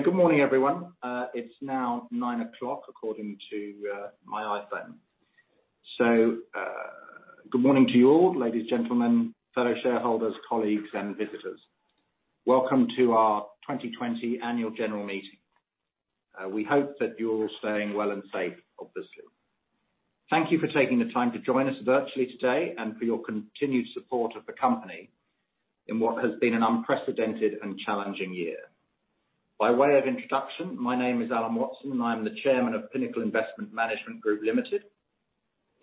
Okay. Good morning, everyone. It's now 9:00 A.M. according to my iPhone. Good morning to you all, ladies, gentlemen, fellow shareholders, colleagues, and visitors. Welcome to our 2020 annual general meeting. We hope that you're all staying well and safe, obviously. Thank you for taking the time to join us virtually today and for your continued support of the company in what has been an unprecedented and challenging year. By way of introduction, my name is Alan Watson, and I'm the Chairman of Pinnacle Investment Management Group Limited.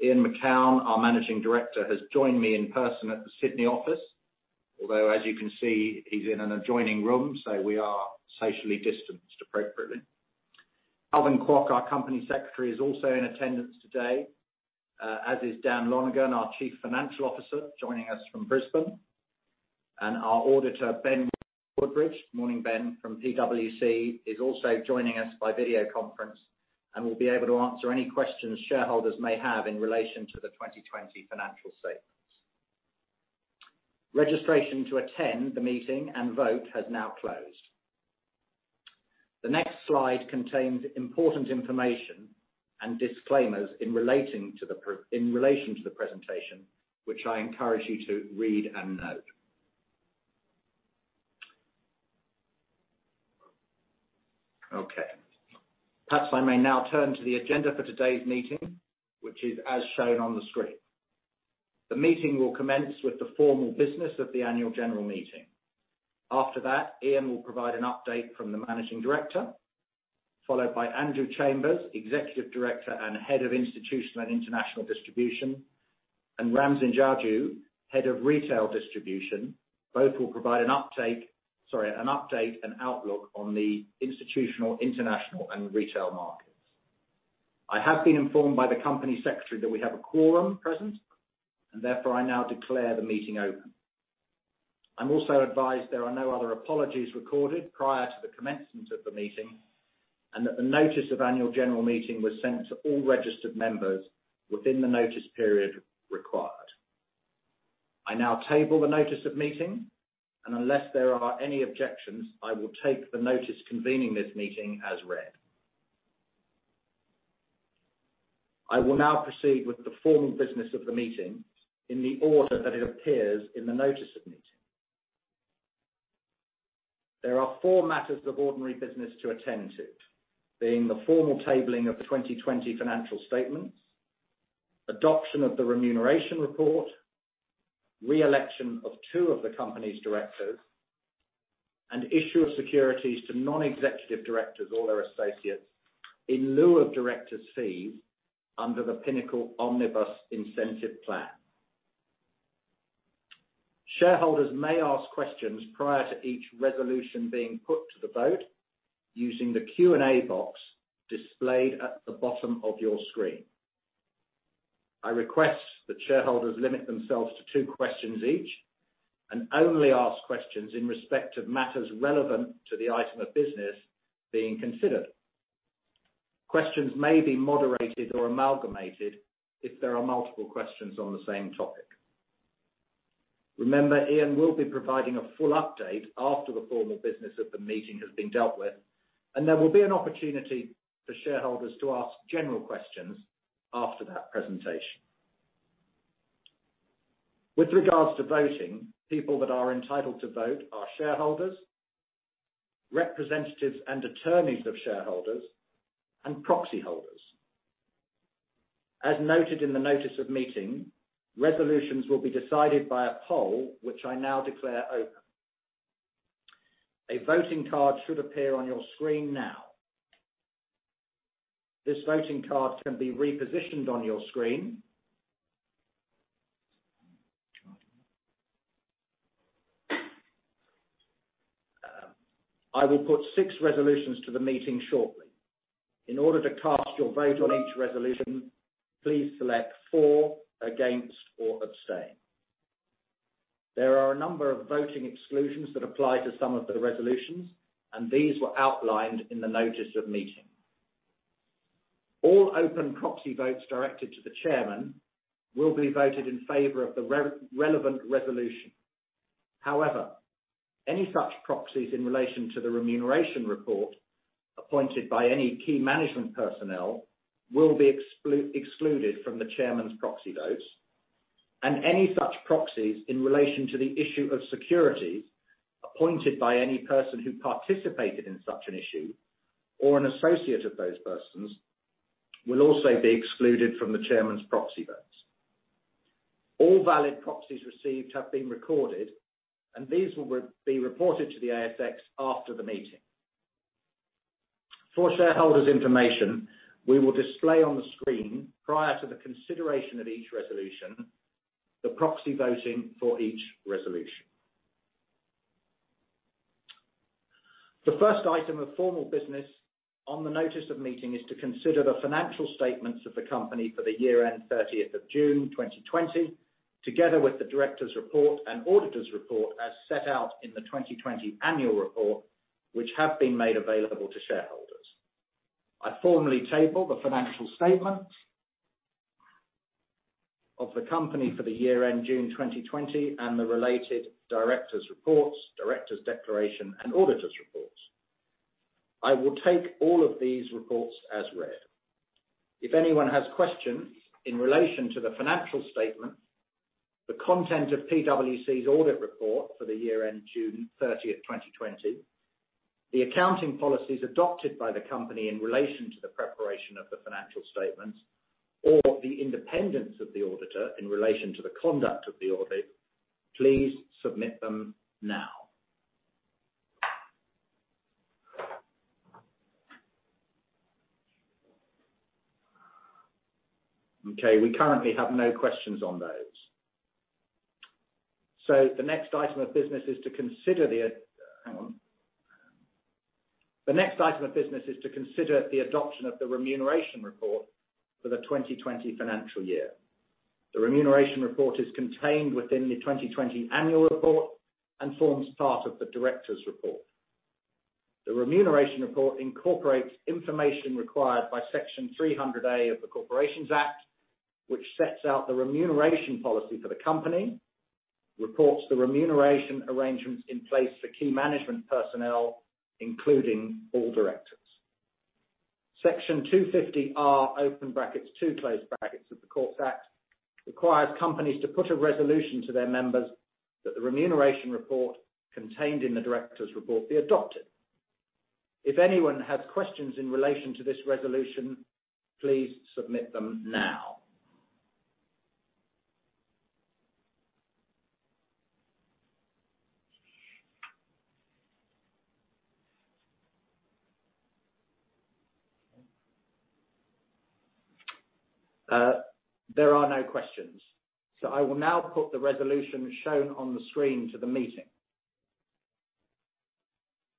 Ian Macoun, our Managing Director, has joined me in person at the Sydney office, although as you can see, he's in an adjoining room, so we are socially distanced appropriately. Calvin Kwok, our Company Secretary, is also in attendance today, as is Dan Lonergan, our Chief Financial Officer, joining us from Brisbane. Our auditor, Ben Woodbridge, morning, Ben, from PwC, is also joining us by video conference and will be able to answer any questions shareholders may have in relation to the 2020 financial statements. Registration to attend the meeting and vote has now closed. The next slide contains important information and disclaimers in relation to the presentation, which I encourage you to read and note. Okay. Perhaps I may now turn to the agenda for today's meeting, which is as shown on the screen. The meeting will commence with the formal business of the annual general meeting. After that, Ian will provide an update from the managing director, followed by Andrew Chambers, Executive Director and Head of Institutional and International Distribution, and Ramsin Jajoo, Head of Retail Distribution. Both will provide an update and outlook on the institutional, international, and retail markets. I have been informed by the company secretary that we have a quorum present, therefore I now declare the meeting open. I am also advised there are no other apologies recorded prior to the commencement of the meeting, and that the notice of annual general meeting was sent to all registered members within the notice period required. I now table the notice of meeting, and unless there are any objections, I will take the notice convening this meeting as read. I will now proceed with the formal business of the meeting in the order that it appears in the notice of meeting. There are four matters of ordinary business to attend to, being the formal tabling of the 2020 financial statements, adoption of the remuneration report, re-election of two of the company's directors, and issue of securities to non-executive directors or their associates in lieu of directors' fees under the Pinnacle Omnibus Incentive Plan. Shareholders may ask questions prior to each resolution being put to the vote using the Q&A box displayed at the bottom of your screen. I request that shareholders limit themselves to two questions each and only ask questions in respect of matters relevant to the item of business being considered. Questions may be moderated or amalgamated if there are multiple questions on the same topic. Remember, Ian will be providing a full update after the formal business of the meeting has been dealt with, and there will be an opportunity for shareholders to ask general questions after that presentation. With regards to voting, people that are entitled to vote are shareholders, representatives and attorneys of shareholders, and proxy holders. As noted in the notice of meeting, resolutions will be decided by a poll, which I now declare open. A voting card should appear on your screen now. This voting card can be repositioned on your screen. I will put six resolutions to the meeting shortly. In order to cast your vote on each resolution, please select for, against, or abstain. There are a number of voting exclusions that apply to some of the resolutions, and these were outlined in the notice of meeting. All open proxy votes directed to the chairman will be voted in favor of the relevant resolution. However, any such proxies in relation to the remuneration report appointed by any key management personnel will be excluded from the chairman's proxy votes, and any such proxies in relation to the issue of securities appointed by any person who participated in such an issue or an associate of those persons will also be excluded from the chairman's proxy votes. All valid proxies received have been recorded, and these will be reported to the ASX after the meeting. For shareholders' information, we will display on the screen prior to the consideration of each resolution, the proxy voting for each resolution. The first item of formal business on the notice of meeting is to consider the financial statements of the company for the year-end June 30th 2020, together with the director's report and auditor's report as set out in the 2020 annual report, which have been made available to shareholders. I formally table the financial statements of the company for the year end June 2020, and the related directors reports, directors declaration and auditors reports. I will take all of these reports as read. If anyone has questions in relation to the financial statement, the content of PwC's audit report for the year end June 30th, 2020, the accounting policies adopted by the company in relation to the preparation of the financial statements, or the independence of the auditor in relation to the conduct of the audit, please submit them now. Okay, we currently have no questions on those. The next item of business is to consider the adoption of the remuneration report for the 2020 financial year. The remuneration report is contained within the 2020 annual report and forms part of the directors report. The remuneration report incorporates information required by Section 300A of the Corporations Act, which sets out the remuneration policy for the company, reports the remuneration arrangements in place for key management personnel, including all directors. Section 250R (2) of the Corporations Act requires companies to put a resolution to their members that the remuneration report contained in the directors report be adopted. If anyone has questions in relation to this resolution, please submit them now. There are no questions. I will now put the resolution shown on the screen to the meeting.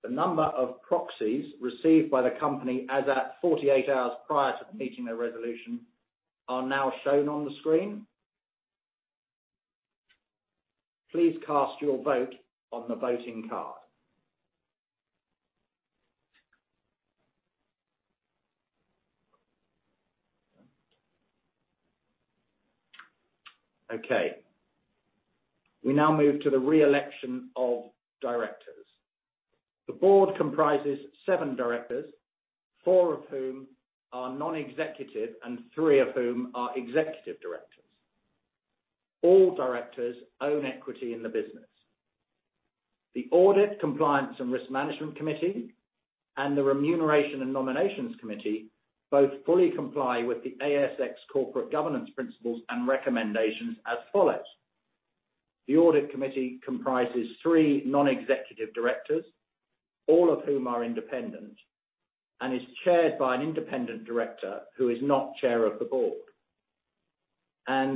The number of proxies received by the company as at 48 hours prior to the meeting resolution are now shown on the screen. Please cast your vote on the voting card. Okay. We now move to the re-election of directors. The board comprises seven directors, four of whom are non-executive and three of whom are executive directors. All directors own equity in the business. The Audit, Compliance, and Risk Management Committee, and the Remuneration and Nominations Committee, both fully comply with the ASX corporate governance principles and recommendations as follows. The Audit Committee comprises three non-executive directors, all of whom are independent, and is chaired by an independent director who is not chair of the board.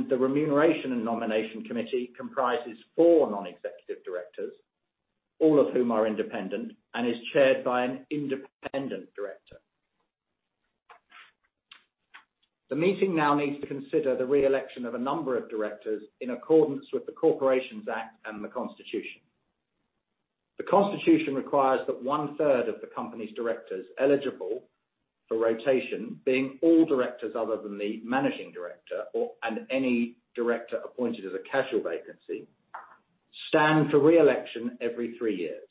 The Remuneration and Nomination Committee comprises four non-executive directors, all of whom are independent, and is chaired by an independent director. The meeting now needs to consider the re-election of a number of directors in accordance with the Corporations Act and the constitution. The constitution requires that one-third of the company's directors eligible for rotation, being all directors other than the managing director and any director appointed as a casual vacancy, stand for re-election every three years.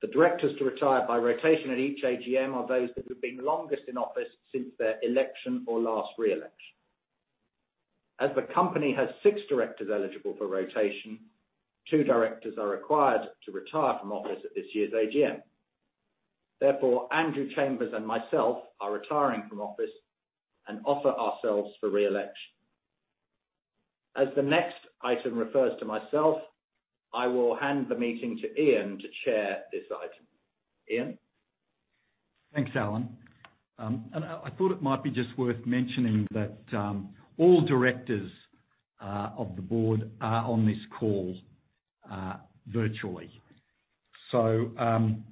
The directors to retire by rotation at each AGM are those that have been longest in office since their election or last re-election. As the company has six directors eligible for rotation, two directors are required to retire from office at this year's AGM. Therefore, Andrew Chambers and myself are retiring from office and offer ourselves for re-election. As the next item refers to myself, I will hand the meeting to Ian to chair this item. Ian? Thanks, Alan. I thought it might be just worth mentioning that all directors of the board are on this call virtually. The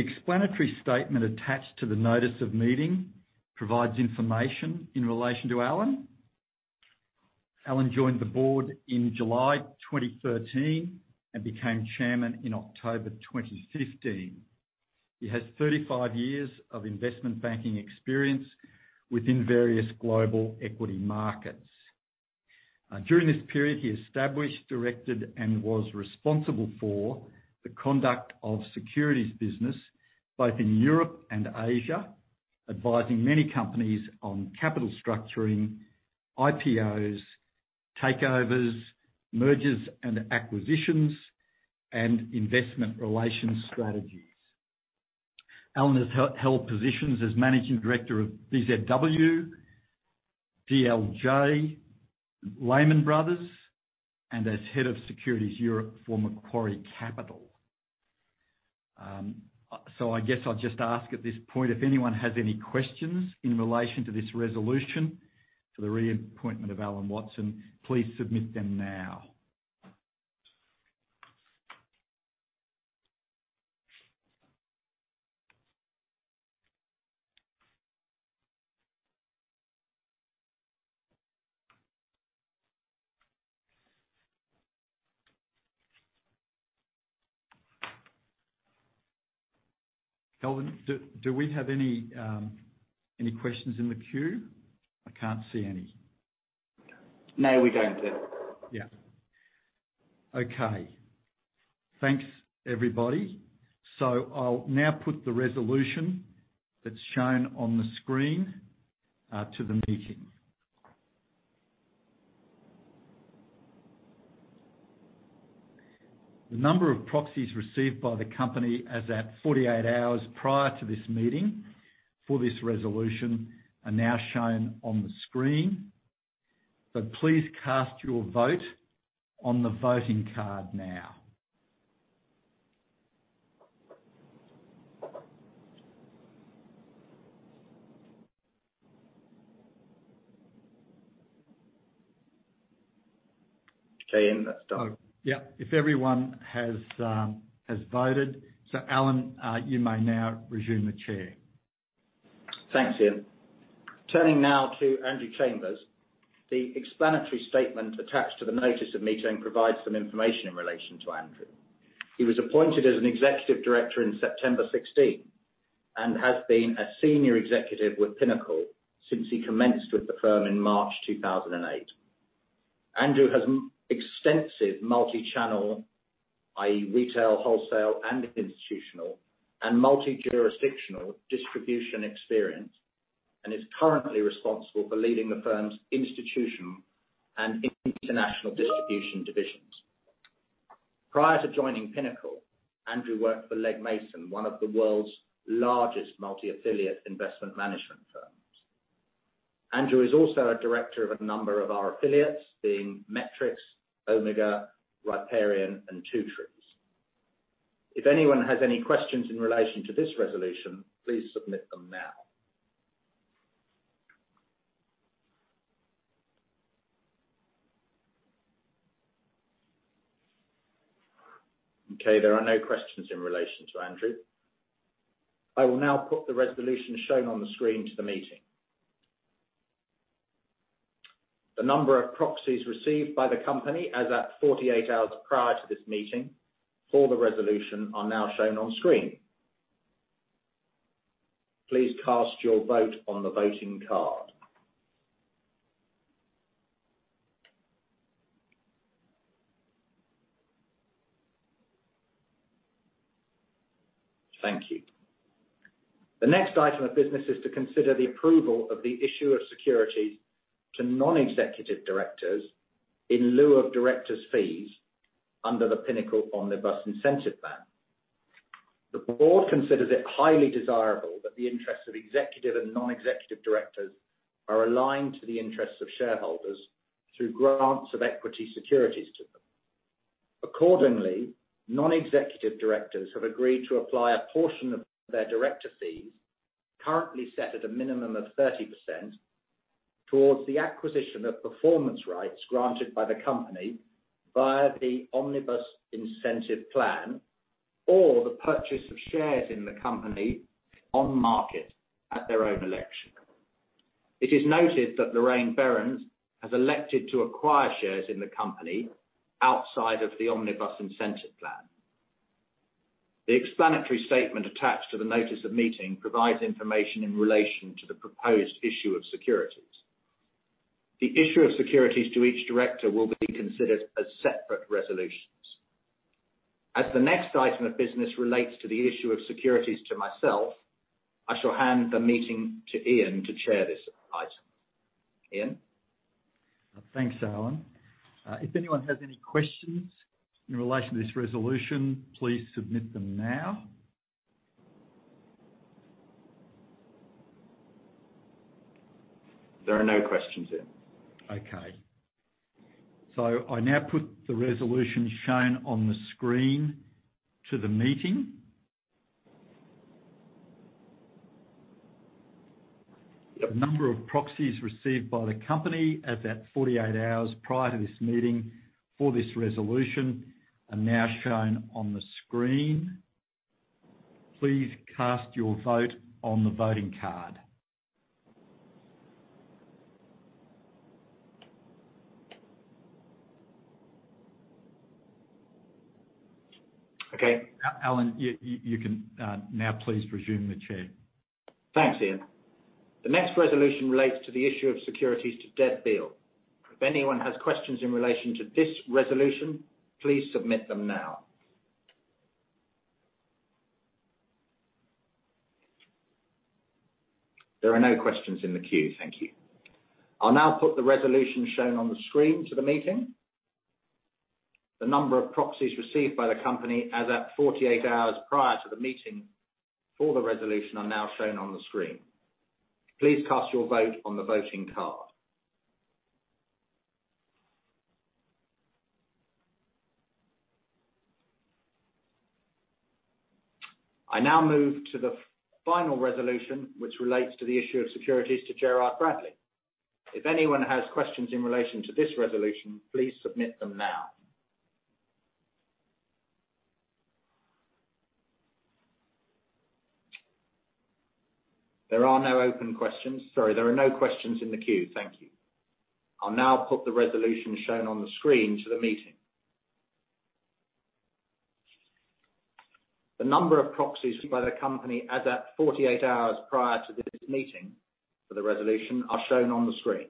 explanatory statement attached to the notice of meeting provides information in relation to Alan. Alan joined the board in July 2013 and became chairman in October 2015. He has 35 years of investment banking experience within various global equity markets. During this period, he established, directed, and was responsible for the conduct of securities business both in Europe and Asia, advising many companies on capital structuring, IPOs, takeovers, mergers and acquisitions, and investment relations strategies. Alan has held positions as managing director of BZW, DLJ, Lehman Brothers, and as head of Securities Europe for Macquarie Capital. I guess I'll just ask at this point, if anyone has any questions in relation to this resolution for the reappointment of Alan Watson, please submit them now. Okay Calvin, do we have any questions in the queue? I can't see any. No, we don't, Ian. Yeah. Okay. Thanks, everybody. I'll now put the resolution that's shown on the screen to the meeting. The number of proxies received by the company as at 48 hours prior to this meeting for this resolution are now shown on the screen. Please cast your vote on the voting card now. Okay, Ian, that's done. Yeah. If everyone has voted. Alan, you may now resume the chair. Thanks, Ian. Turning now to Andrew Chambers. The explanatory statement attached to the notice of meeting provides some information in relation to Andrew. He was appointed as an executive director in September 2016 and has been a senior executive with Pinnacle since he commenced with the firm in March 2008. Andrew has extensive multi-channel, i.e., retail, wholesale, and institutional, and multi-jurisdictional distribution experience, and is currently responsible for leading the firm's institutional and international distribution divisions. Prior to joining Pinnacle, Andrew worked for Franklin Templeton, one of the world's largest multi-affiliate investment management firms. Andrew is also a director of a number of our affiliates, being Metrics, Omega, Riparian, and Two Trees. If anyone has any questions in relation to this resolution, please submit them now. Okay. There are no questions in relation to Andrew. I will now put the resolution shown on the screen to the meeting. The number of proxies received by the company as at 48 hours prior to this meeting for the resolution are now shown on screen. Please cast your vote on the voting card. Thank you. The next item of business is to consider the approval of the issue of securities to non-executive directors in lieu of directors' fees under the Pinnacle Omnibus Incentive Plan. The board considers it highly desirable that the interests of executive and non-executive directors are aligned to the interests of shareholders through grants of equity securities to them. Accordingly, non-executive directors have agreed to apply a portion of their director fees, currently set at a minimum of 30%, towards the acquisition of performance rights granted by the company via the Omnibus Incentive Plan or the purchase of shares in the company on market at their own election. It is noted that Lorraine Berends has elected to acquire shares in the company outside of the Omnibus Incentive Plan. The explanatory statement attached to the notice of meeting provides information in relation to the proposed issue of securities. The issue of securities to each director will be considered as separate resolutions. As the next item of business relates to the issue of securities to myself, I shall hand the meeting to Ian to chair this item. Ian? Thanks, Alan. If anyone has any questions in relation to this resolution, please submit them now. There are no questions, Ian. Okay. I now put the resolution shown on the screen to the meeting. The number of proxies received by the company as at 48 hours prior to this meeting for this resolution are now shown on the screen. Please cast your vote on the voting card. Okay. Alan, you can now please resume the chair. Thanks, Ian. The next resolution relates to the issue of securities to Deb Field. If anyone has questions in relation to this resolution, please submit them now. There are no questions in the queue. Thank you. I'll now put the resolution shown on the screen to the meeting. The number of proxies received by the company as at 48 hours prior to the meeting for the resolution are now shown on the screen. Please cast your vote on the voting card. I now move to the final resolution, which relates to the issue of securities to Gerard Bradley. If anyone has questions in relation to this resolution, please submit them now. There are no open questions. Sorry, there are no questions in the queue. Thank you. I'll now put the resolution shown on the screen to the meeting. The number of proxies by the company as at 48 hours prior to this meeting for the resolution are shown on the screen.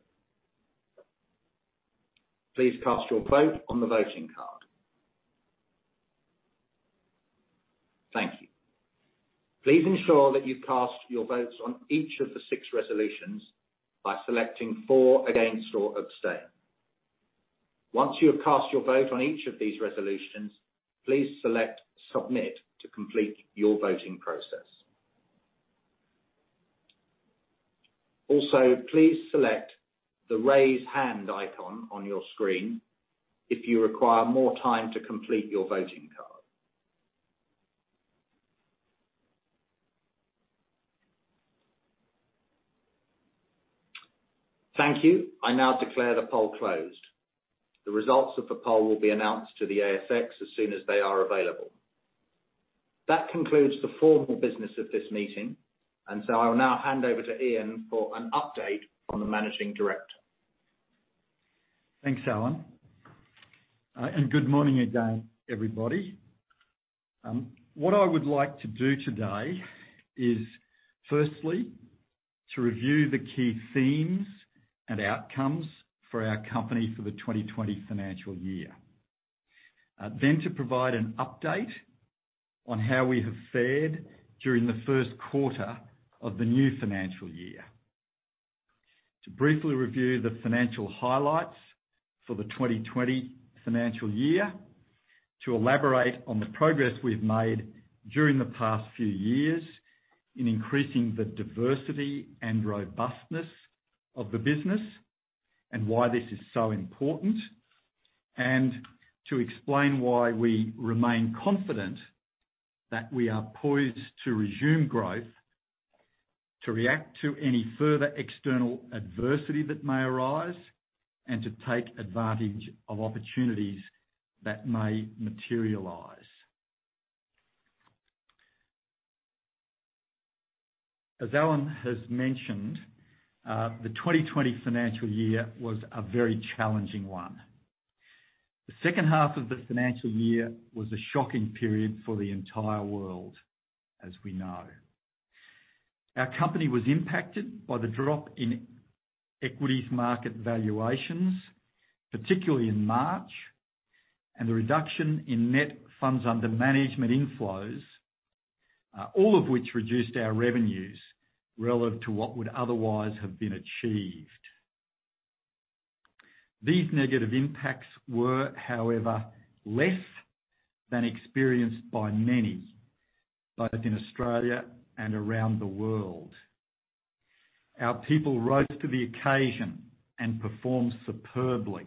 Please cast your vote on the voting card. Thank you. Please ensure that you cast your votes on each of the six resolutions by selecting for, against, or abstain. Once you have cast your vote on each of these resolutions, please select Submit to complete your voting process. Also, please select the Raise Hand Icon on your screen if you require more time to complete your voting card. Thank you. I now declare the poll closed. The results of the poll will be announced to the ASX as soon as they are available. That concludes the formal business of this meeting, I will now hand over to Ian for an update from the Managing Director. Thanks, Alan. Good morning again, everybody. What I would like to do today is firstly to review the key themes and outcomes for our company for the 2020 financial year. To provide an update on how we have fared during the first quarter of the new financial year. To briefly review the financial highlights for the 2020 financial year, to elaborate on the progress we've made during the past few years in increasing the diversity and robustness of the business and why this is so important, and to explain why we remain confident that we are poised to resume growth, to react to any further external adversity that may arise, and to take advantage of opportunities that may materialize. As Alan has mentioned, the 2020 financial year was a very challenging one. The second half of the financial year was a shocking period for the entire world, as we know. Our company was impacted by the drop in equities market valuations, particularly in March, and the reduction in net funds under management inflows, all of which reduced our revenues relative to what would otherwise have been achieved. These negative impacts were, however, less than experienced by many, both in Australia and around the world. Our people rose to the occasion and performed superbly,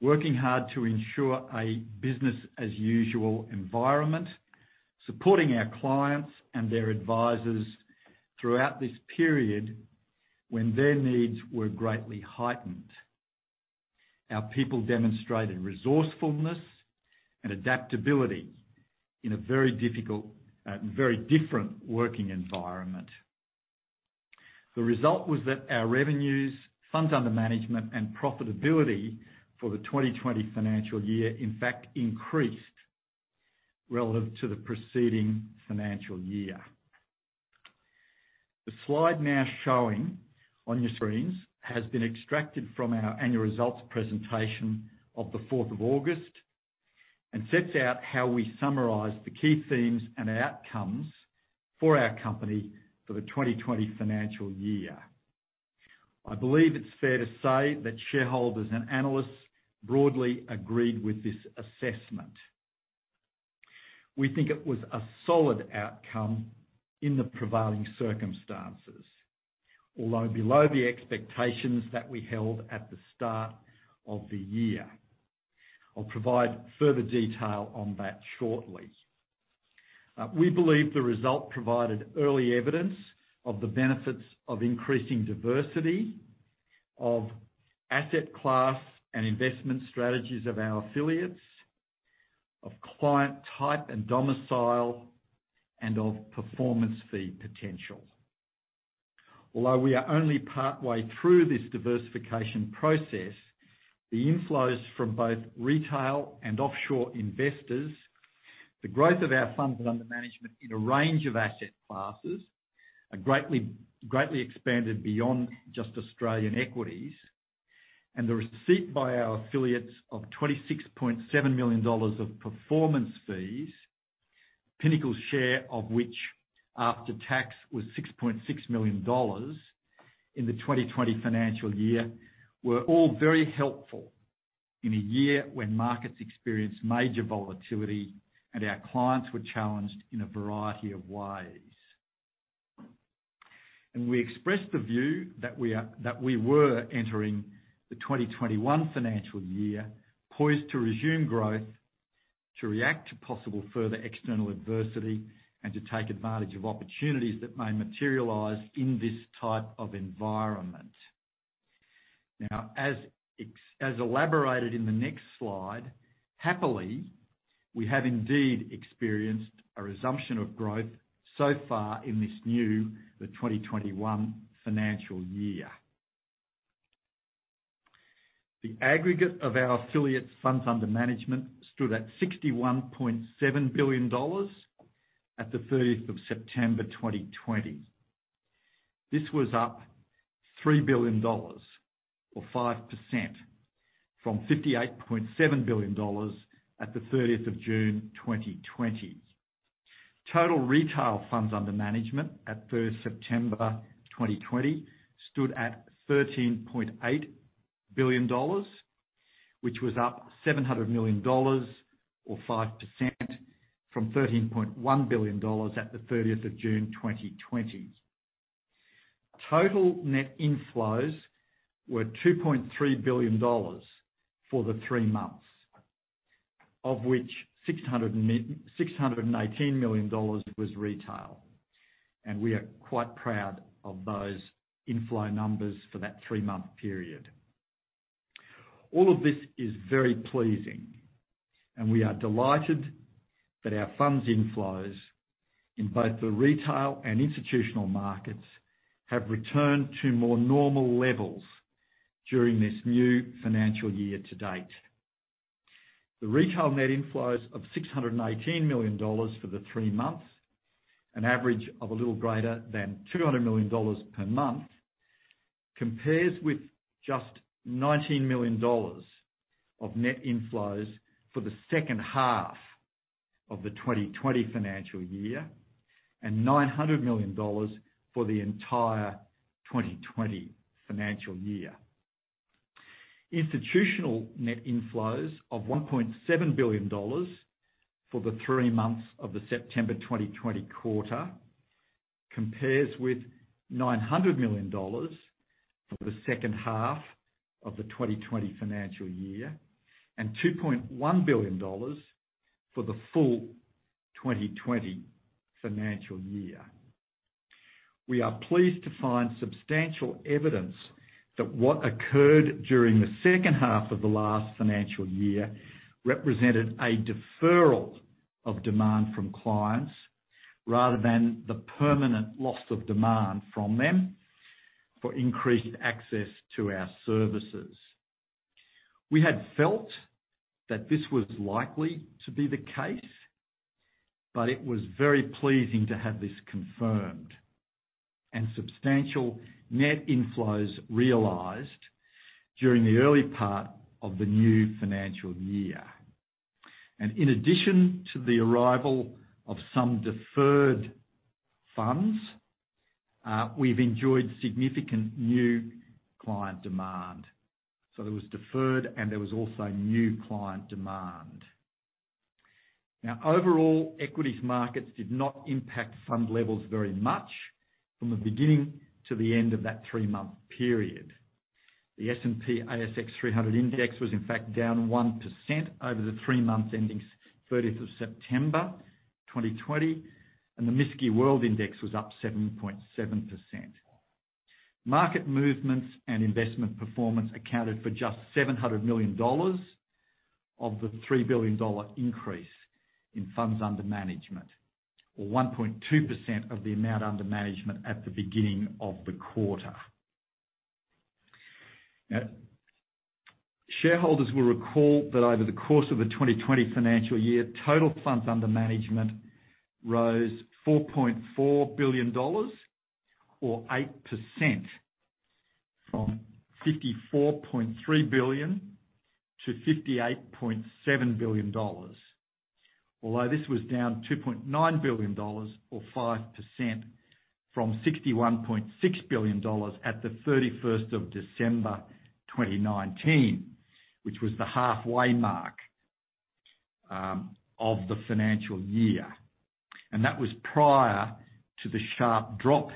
working hard to ensure a business as usual environment, supporting our clients and their advisors throughout this period when their needs were greatly heightened. Our people demonstrated resourcefulness and adaptability in a very different working environment. The result was that our revenues, funds under management, and profitability for the 2020 financial year in fact increased relative to the preceding financial year. The slide now showing on your screens has been extracted from our annual results presentation of the 4th of August and sets out how we summarize the key themes and outcomes for our company for the 2020 financial year. I believe it's fair to say that shareholders and analysts broadly agreed with this assessment. We think it was a solid outcome in the prevailing circumstances, although below the expectations that we held at the start of the year. I'll provide further detail on that shortly. We believe the result provided early evidence of the benefits of increasing diversity of asset class and investment strategies of our affiliates, of client type and domicile, and of performance fee potential. Although we are only partway through this diversification process, the inflows from both retail and offshore investors, the growth of our funds under management in a range of asset classes, are greatly expanded beyond just Australian equities, and the receipt by our affiliates of 26.7 million dollars of performance fees, Pinnacle's share of which after tax was 6.6 million dollars in the 2020 financial year, were all very helpful in a year when markets experienced major volatility and our clients were challenged in a variety of ways. We expressed the view that we were entering the 2021 financial year poised to resume growth, to react to possible further external adversity, and to take advantage of opportunities that may materialize in this type of environment. Now, as elaborated in the next slide, happily, we have indeed experienced a resumption of growth so far in this new, the 2021 financial year. The aggregate of our affiliate funds under management stood at AUD 61.7 billion at the September 30th, 2020. This was up 3 billion dollars or 5%, from 58.7 billion dollars at the June 30th, 2020. Total retail funds under management at September 2020 stood at AUD 13.8 billion, which was up 700 million dollars, or 5%, from 13.1 billion dollars at the June 30th, 2020. Total net inflows were 2.3 billion dollars for the three months, of which 618 million dollars was retail, and we are quite proud of those inflow numbers for that three-month period. All of this is very pleasing, and we are delighted that our funds inflows in both the retail and institutional markets have returned to more normal levels during this new financial year to date. The retail net inflows of 618 million dollars for the three months, an average of a little greater than 200 million dollars per month, compares with just 19 million dollars of net inflows for the second half of the 2020 financial year, and 900 million dollars for the entire 2020 financial year. Institutional net inflows of 1.7 billion dollars for the three months of the September 2020 quarter, compares with 900 million dollars for the second half of the 2020 financial year, and 2.1 billion dollars for the full 2020 financial year. We are pleased to find substantial evidence that what occurred during the second half of the last financial year represented a deferral of demand from clients rather than the permanent loss of demand from them for increased access to our services. We had felt that this was likely to be the case, but it was very pleasing to have this confirmed, substantial net inflows realized during the early part of the new financial year. In addition to the arrival of some deferred funds, we've enjoyed significant new client demand. There was deferred and there was also new client demand. Overall, equities markets did not impact fund levels very much from the beginning to the end of that three-month period. The S&P/ASX 300 Index was in fact down 1% over the three months ending September 30th, 2020, the MSCI World Index was up 7.7%. Market movements and investment performance accounted for just 700 million dollars of the 3 billion dollar increase in funds under management, or 1.2% of the amount under management at the beginning of the quarter. Shareholders will recall that over the course of the 2020 financial year, total funds under management rose 4.4 billion dollars or 8%, from 54.3 billion to 58.7 billion dollars. This was down 2.9 billion dollars or 5%, from 61.6 billion dollars at the December 31st, 2019, which was the halfway mark of the financial year. That was prior to the sharp drop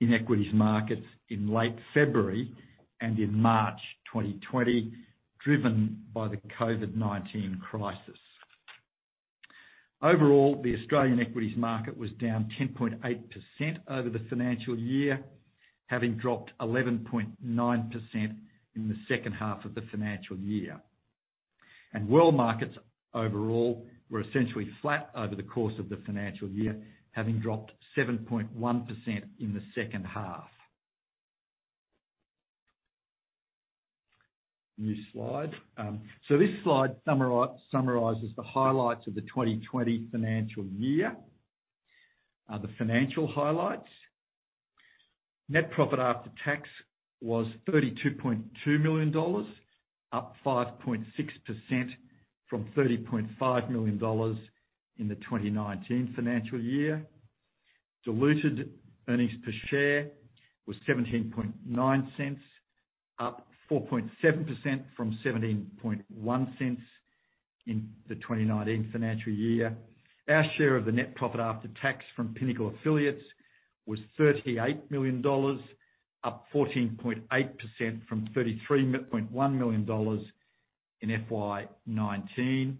in equities markets in late February and in March 2020, driven by the COVID-19 crisis. Overall, the Australian equities market was down 10.8% over the financial year, having dropped 11.9% in the second half of the financial year. World markets overall were essentially flat over the course of the financial year, having dropped 7.1% in the second half. New slide. This slide summarizes the highlights of the 2020 financial year. The financial highlights. Net profit after tax was 32.2 million dollars, up 5.6% from 30.5 million dollars in the 2019 financial year. Diluted earnings per share was AUD 0.179, up 4.7% from 0.171 in the 2019 financial year. Our share of the net profit after tax from Pinnacle affiliates was AUD 38 million, up 14.8% from 33.1 million in FY 2019.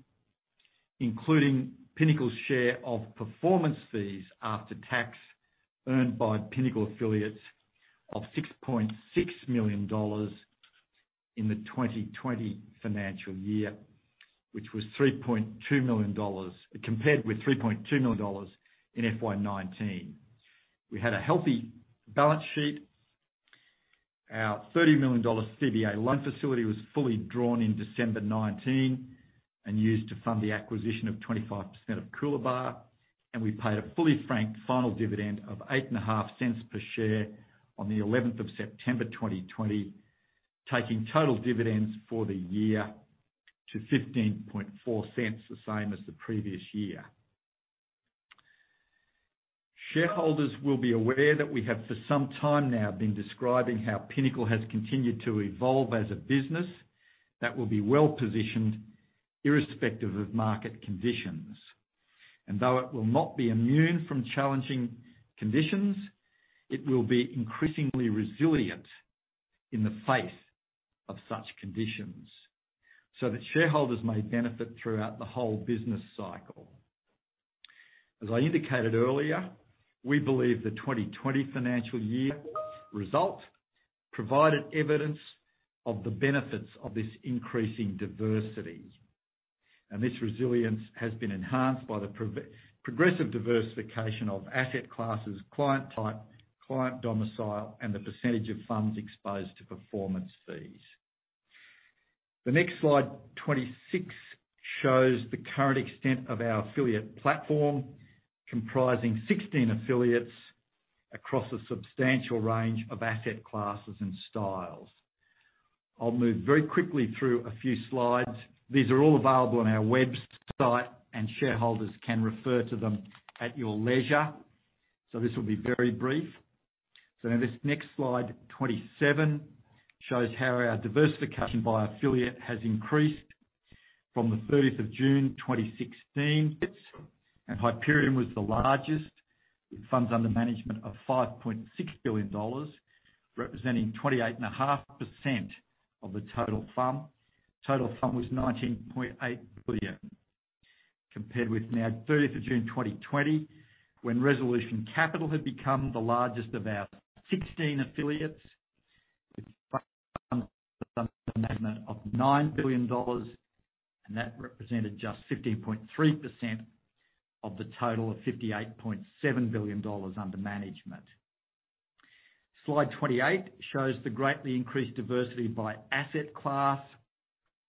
Including Pinnacle's share of performance fees after tax earned by Pinnacle affiliates of 6.6 million dollars in the 2020 financial year, compared with 3.2 million dollars in FY 2019. We had a healthy balance sheet. Our 30 million dollar CBA loan facility was fully drawn in December 2019 and used to fund the acquisition of 25% of Coolabah, and we paid a fully franked final dividend of 0.085 per share on the 11th of September 2020, taking total dividends for the year to 0.154, the same as the previous year. Shareholders will be aware that we have for some time now been describing how Pinnacle has continued to evolve as a business that will be well-positioned irrespective of market conditions. Though it will not be immune from challenging conditions, it will be increasingly resilient in the face of such conditions so that shareholders may benefit throughout the whole business cycle. As I indicated earlier, we believe the 2020 financial year result provided evidence of the benefits of this increasing diversity. This resilience has been enhanced by the progressive diversification of asset classes, client type, client domicile, and the percentage of funds exposed to performance fees. The next slide, 26, shows the current extent of our affiliate platform, comprising 16 affiliates across a substantial range of asset classes and styles. I'll move very quickly through a few slides. These are all available on our website. Shareholders can refer to them at your leisure. This will be very brief. Now this next slide 27 shows how our diversification by affiliate has increased from the June 30th, 2016. Hyperion was the largest, with funds under management of 5.6 billion dollars, representing 28.5% of the total FUM. Total FUM was 19.8 billion, compared with now June 30th, 2020, when Resolution Capital had become the largest of our 16 affiliates, with funds under management of 9 billion dollars. That represented just 15.3% of the total of 58.7 billion dollars under management. Slide 28 shows the greatly increased diversity by asset class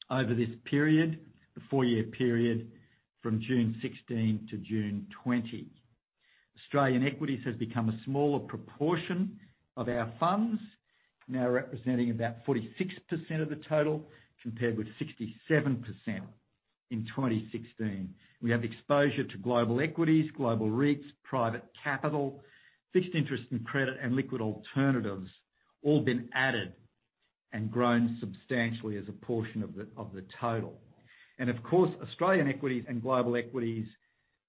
over this period, the four-year period from June 2016-June 2020. Australian equities has become a smaller proportion of our funds, now representing about 46% of the total, compared with 67% in 2016. We have exposure to global equities, global REITs, private capital, fixed interest and credit, and liquid alternatives, all been added and grown substantially as a portion of the total. Of course, Australian equities and global equities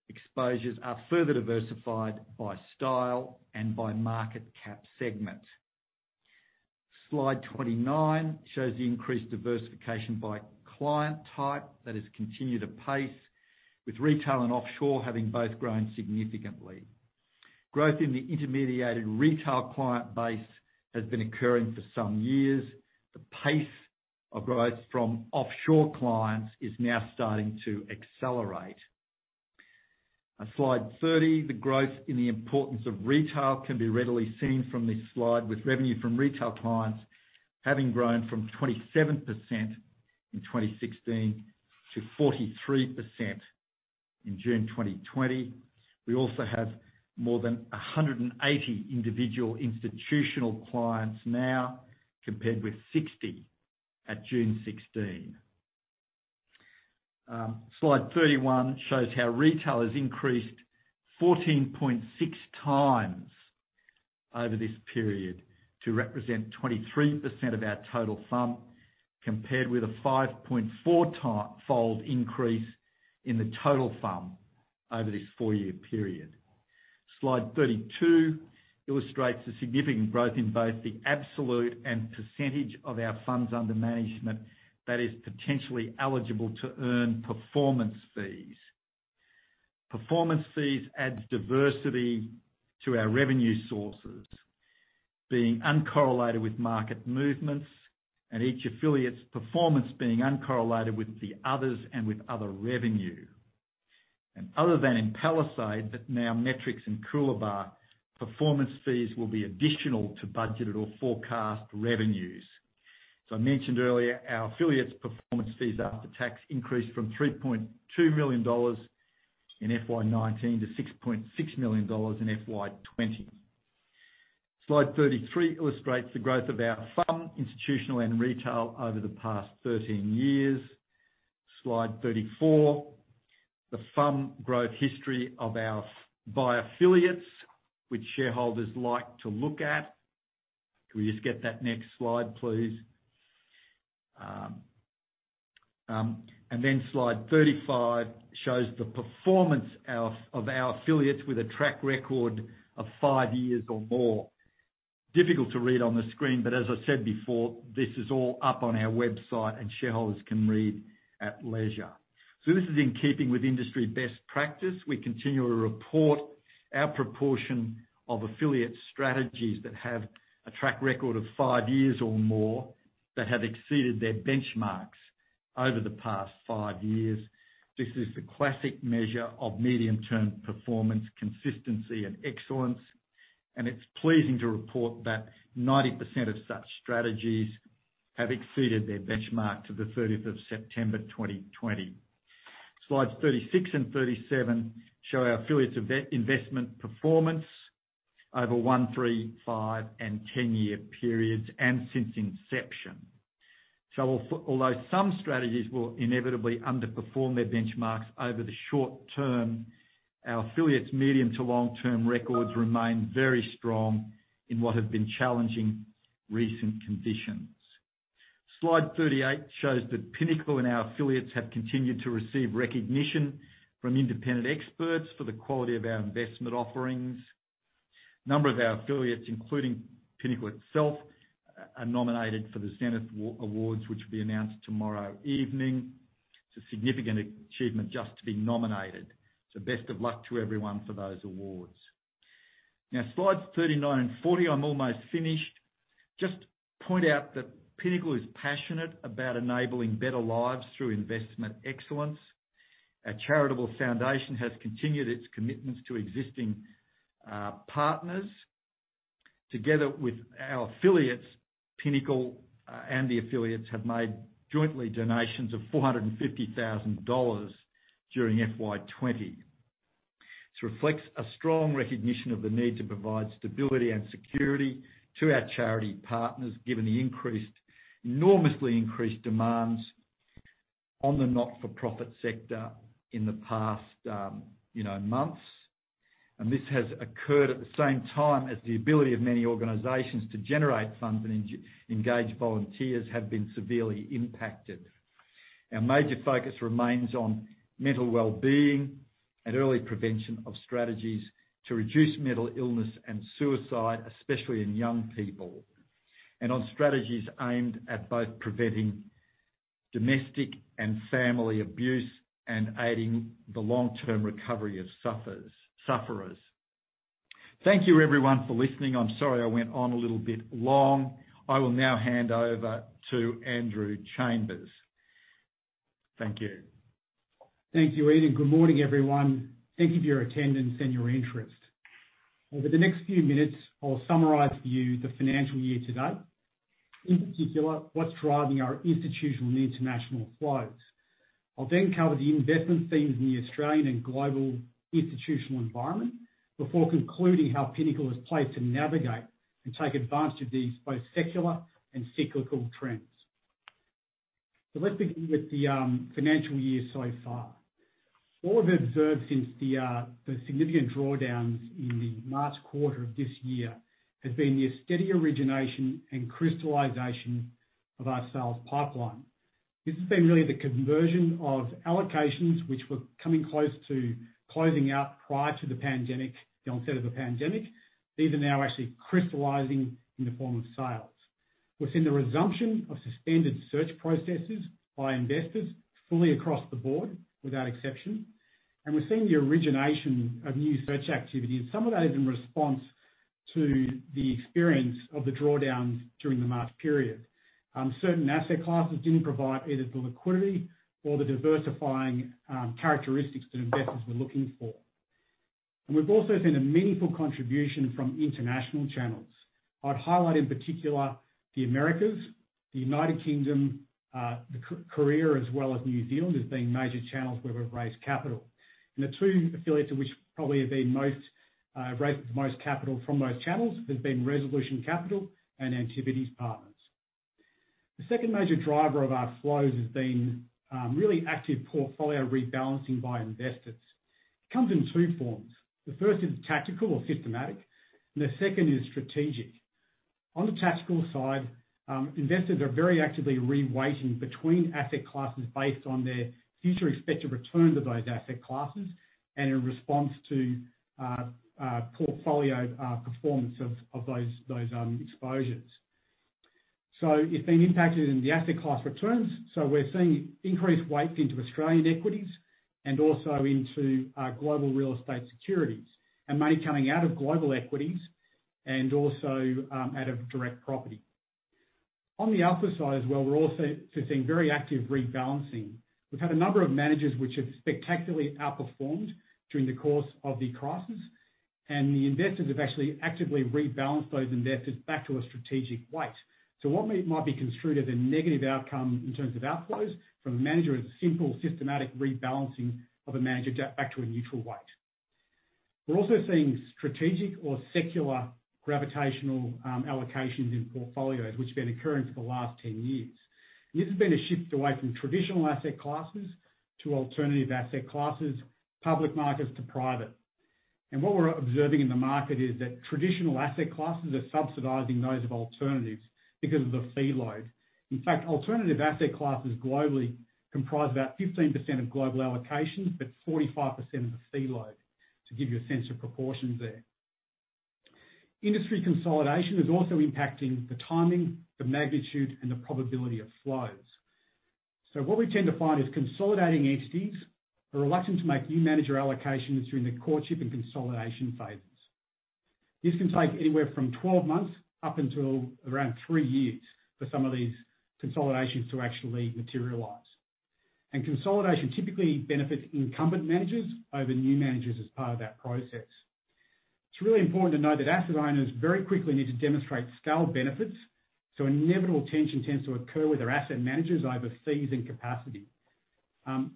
exposures are further diversified by style and by market cap segment. Slide 29 shows the increased diversification by client type that has continued apace, with retail and offshore having both grown significantly. Growth in the intermediated retail client base has been occurring for some years. The pace of growth from offshore clients is now starting to accelerate. On slide 30, the growth in the importance of retail can be readily seen from this slide, with revenue from retail clients having grown from 27% in 2016 to 43% in June 2020. We also have more than 180 individual institutional clients now, compared with 60 at June 2016. Slide 31 shows how retail has increased 14.6 times over this period to represent 23% of our total FUM, compared with a 5.4-fold increase in the total FUM over this four-year period. Slide 32 illustrates the significant growth in both the absolute and percentage of our funds under management that is potentially eligible to earn performance fees. Performance fees adds diversity to our revenue sources, being uncorrelated with market movements and each affiliate's performance being uncorrelated with the others and with other revenue. Other than in Palisade, but now Metrics and Coolabah, performance fees will be additional to budgeted or forecast revenues. I mentioned earlier, our affiliates' performance fees after tax increased from 3.2 million dollars in FY 2019 to 6.6 million dollars in FY 2020. Slide 33 illustrates the growth of our FUM, institutional and retail, over the past 13 years. Slide 34, the FUM growth history of our by affiliates, which shareholders like to look at. Can we just get that next slide, please? Slide 35 shows the performance of our affiliates with a track record of five years or more. Difficult to read on the screen, but as I said before, this is all up on our website, and shareholders can read at leisure. This is in keeping with industry best practice. We continue to report our proportion of affiliate strategies that have a track record of five years or more, that have exceeded their benchmarks over the past five years. This is the classic measure of medium-term performance, consistency, and excellence, and it's pleasing to report that 90% of such strategies have exceeded their benchmark to the September 30th, 2020. Slides 36 and 37 show our affiliates' investment performance over one, three, five, and 10-year periods, and since inception. Although some strategies will inevitably underperform their benchmarks over the short term, our affiliates' medium to long-term records remain very strong in what have been challenging recent conditions. Slide 38 shows that Pinnacle and our affiliates have continued to receive recognition from independent experts for the quality of our investment offerings. A number of our affiliates, including Pinnacle itself, are nominated for the Zenith Awards, which will be announced tomorrow evening. It's a significant achievement just to be nominated, best of luck to everyone for those awards. Slides 39 and 40, I'm almost finished. Just point out that Pinnacle is passionate about enabling better lives through investment excellence. Our charitable foundation has continued its commitments to existing partners. Together with our affiliates, Pinnacle and the affiliates have made jointly donations of 450,000 dollars during FY 2020. This reflects a strong recognition of the need to provide stability and security to our charity partners, given the enormously increased demands on the not-for-profit sector in the past months. This has occurred at the same time as the ability of many organizations to generate funds and engage volunteers have been severely impacted. Our major focus remains on mental well-being and early prevention of strategies to reduce mental illness and suicide, especially in young people. On strategies aimed at both preventing domestic and family abuse and aiding the long-term recovery of sufferers. Thank you everyone for listening. I'm sorry I went on a little bit long. I will now hand over to Andrew Chambers. Thank you. Thank you, Ian. Good morning, everyone. Thank you for your attendance and your interest. Over the next few minutes, I'll summarize for you the financial year to date, in particular, what's driving our institutional and international flows. I'll then cover the investment themes in the Australian and global institutional environment before concluding how Pinnacle is placed to navigate and take advantage of these both secular and cyclical trends. Let's begin with the financial year so far. What we've observed since the significant drawdowns in the March quarter of this year has been the steady origination and crystallization of our sales pipeline. This has been really the conversion of allocations, which were coming close to closing out prior to the onset of the pandemic. These are now actually crystallizing in the form of sales. We're seeing the resumption of suspended search processes by investors fully across the board, without exception. We're seeing the origination of new search activity. Some of that is in response to the experience of the drawdowns during the March period. Certain asset classes didn't provide either the liquidity or the diversifying characteristics that investors were looking for. We've also seen a meaningful contribution from international channels. I'd highlight in particular the Americas, the United Kingdom, Korea, as well as New Zealand as being major channels where we've raised capital. The two affiliates which probably have raised the most capital from those channels have been Resolution Capital and Antipodes Partners. The second major driver of our flows has been really active portfolio rebalancing by investors. It comes in two forms. The first is tactical or systematic, and the second is strategic. On the tactical side, investors are very actively reweighting between asset classes based on their future expected return to those asset classes, and in response to portfolio performance of those exposures. It's been impacted in the asset class returns. We're seeing increased weight into Australian equities and also into global real estate securities, and money coming out of global equities, and also out of direct property. On the alpha side as well, we're also seeing very active rebalancing. We've had a number of managers which have spectacularly outperformed during the course of the crisis, and the investors have actually actively rebalanced those investors back to a strategic weight. What might be construed as a negative outcome in terms of outflows from a manager is a simple, systematic rebalancing of a manager back to a neutral weight. We're also seeing strategic or secular gravitational allocations in portfolios, which have been occurring for the last 10 years. This has been a shift away from traditional asset classes to alternative asset classes, public markets to private. What we're observing in the market is that traditional asset classes are subsidizing those of alternatives because of the fee load. In fact, alternative asset classes globally comprise about 15% of global allocations, but 45% of the fee load, to give you a sense of proportions there. Industry consolidation is also impacting the timing, the magnitude, and the probability of flows. What we tend to find is consolidating entities are reluctant to make new manager allocations during the courtship and consolidation phases. This can take anywhere from 12 months up until around three years for some of these consolidations to actually materialize. Consolidation typically benefits incumbent managers over new managers as part of that process. It's really important to note that asset owners very quickly need to demonstrate scale benefits, so inevitable tension tends to occur with their asset managers over fees and capacity.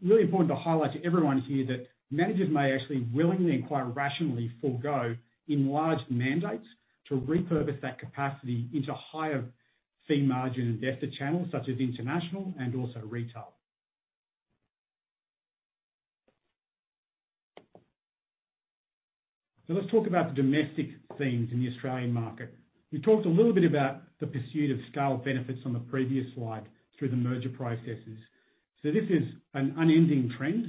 Really important to highlight to everyone here that managers may actually willingly and quite rationally forego enlarged mandates to repurpose that capacity into higher fee margin investor channels such as international and also retail. Let's talk about the domestic themes in the Australian market. We talked a little bit about the pursuit of scale benefits on the previous slide through the merger processes. This is an unending trend,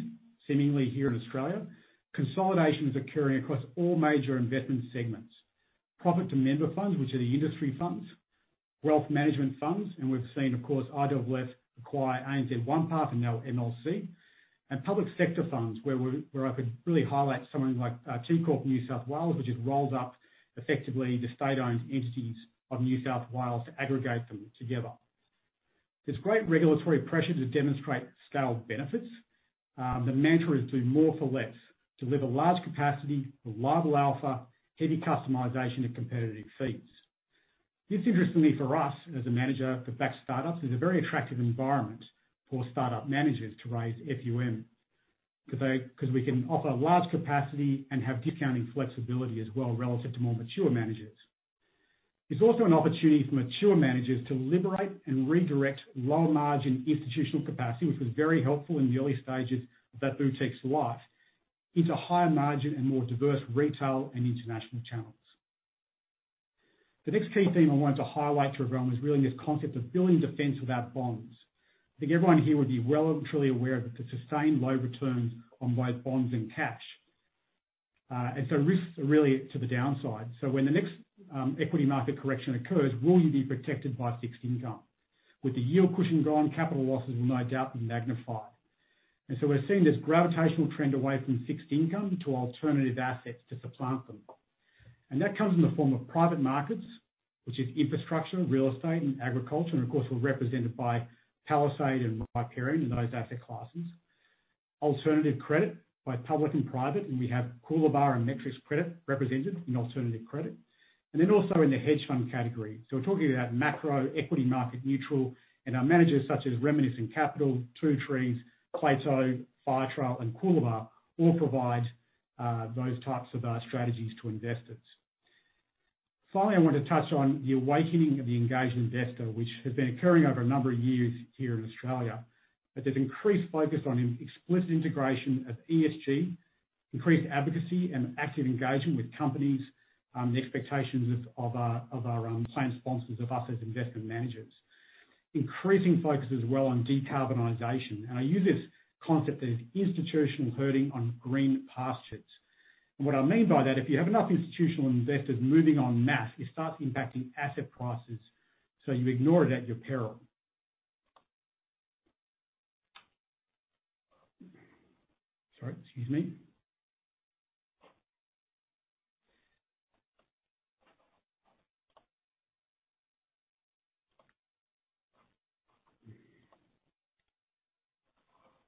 seemingly here in Australia. Consolidation is occurring across all major investment segments. Profit-to-member funds, which are the industry funds, wealth management funds, and we've seen, of course, IOOF acquire ANZ OnePath and now MLC. Public sector funds, where I could really highlight someone like TCorp NSW, which has rolled up effectively the state-owned entities of New South Wales to aggregate them together. There's great regulatory pressure to demonstrate scale benefits. The mantra is do more for less, deliver large capacity with liable alpha, heavy customization and competitive fees. This, interestingly for us as a manager for backed startups, is a very attractive environment for startup managers to raise FUM because we can offer large capacity and have discounting flexibility as well relative to more mature managers. It's also an opportunity for mature managers to liberate and redirect low-margin institutional capacity, which was very helpful in the early stages of that boutique's life, into higher margin and more diverse retail and international channels. The next key theme I wanted to highlight to everyone is really this concept of building defense without bonds. I think everyone here would be relatively aware of the sustained low returns on both bonds and cash. Risks are really to the downside. When the next equity market correction occurs, will you be protected by fixed income? With the yield cushion gone, capital losses will no doubt be magnified. We're seeing this gravitational trend away from fixed income to alternative assets to supplant them. That comes in the form of private markets, which is infrastructure, real estate, and agriculture, and of course, we're represented by Palisade and Metrics in those asset classes. Alternative credit by public and private, we have Coolabah and Metrics Credit represented in alternative credit. Also in the hedge fund category. We're talking about macro, equity market neutral, and our managers such as Reminiscent Capital, Two Trees, Plato, Firetrail, and Coolabah all provide those types of strategies to investors. Finally, I want to touch on the awakening of the engaged investor, which has been occurring over a number of years here in Australia. There's increased focus on explicit integration of ESG, increased advocacy and active engagement with companies, and the expectations of our plan sponsors of us as investment managers. Increasing focus as well on decarbonization. I use this concept that is institutional herding on green pastures. What I mean by that, if you have enough institutional investors moving en masse, it starts impacting asset prices. You ignore it at your peril. Sorry, excuse me.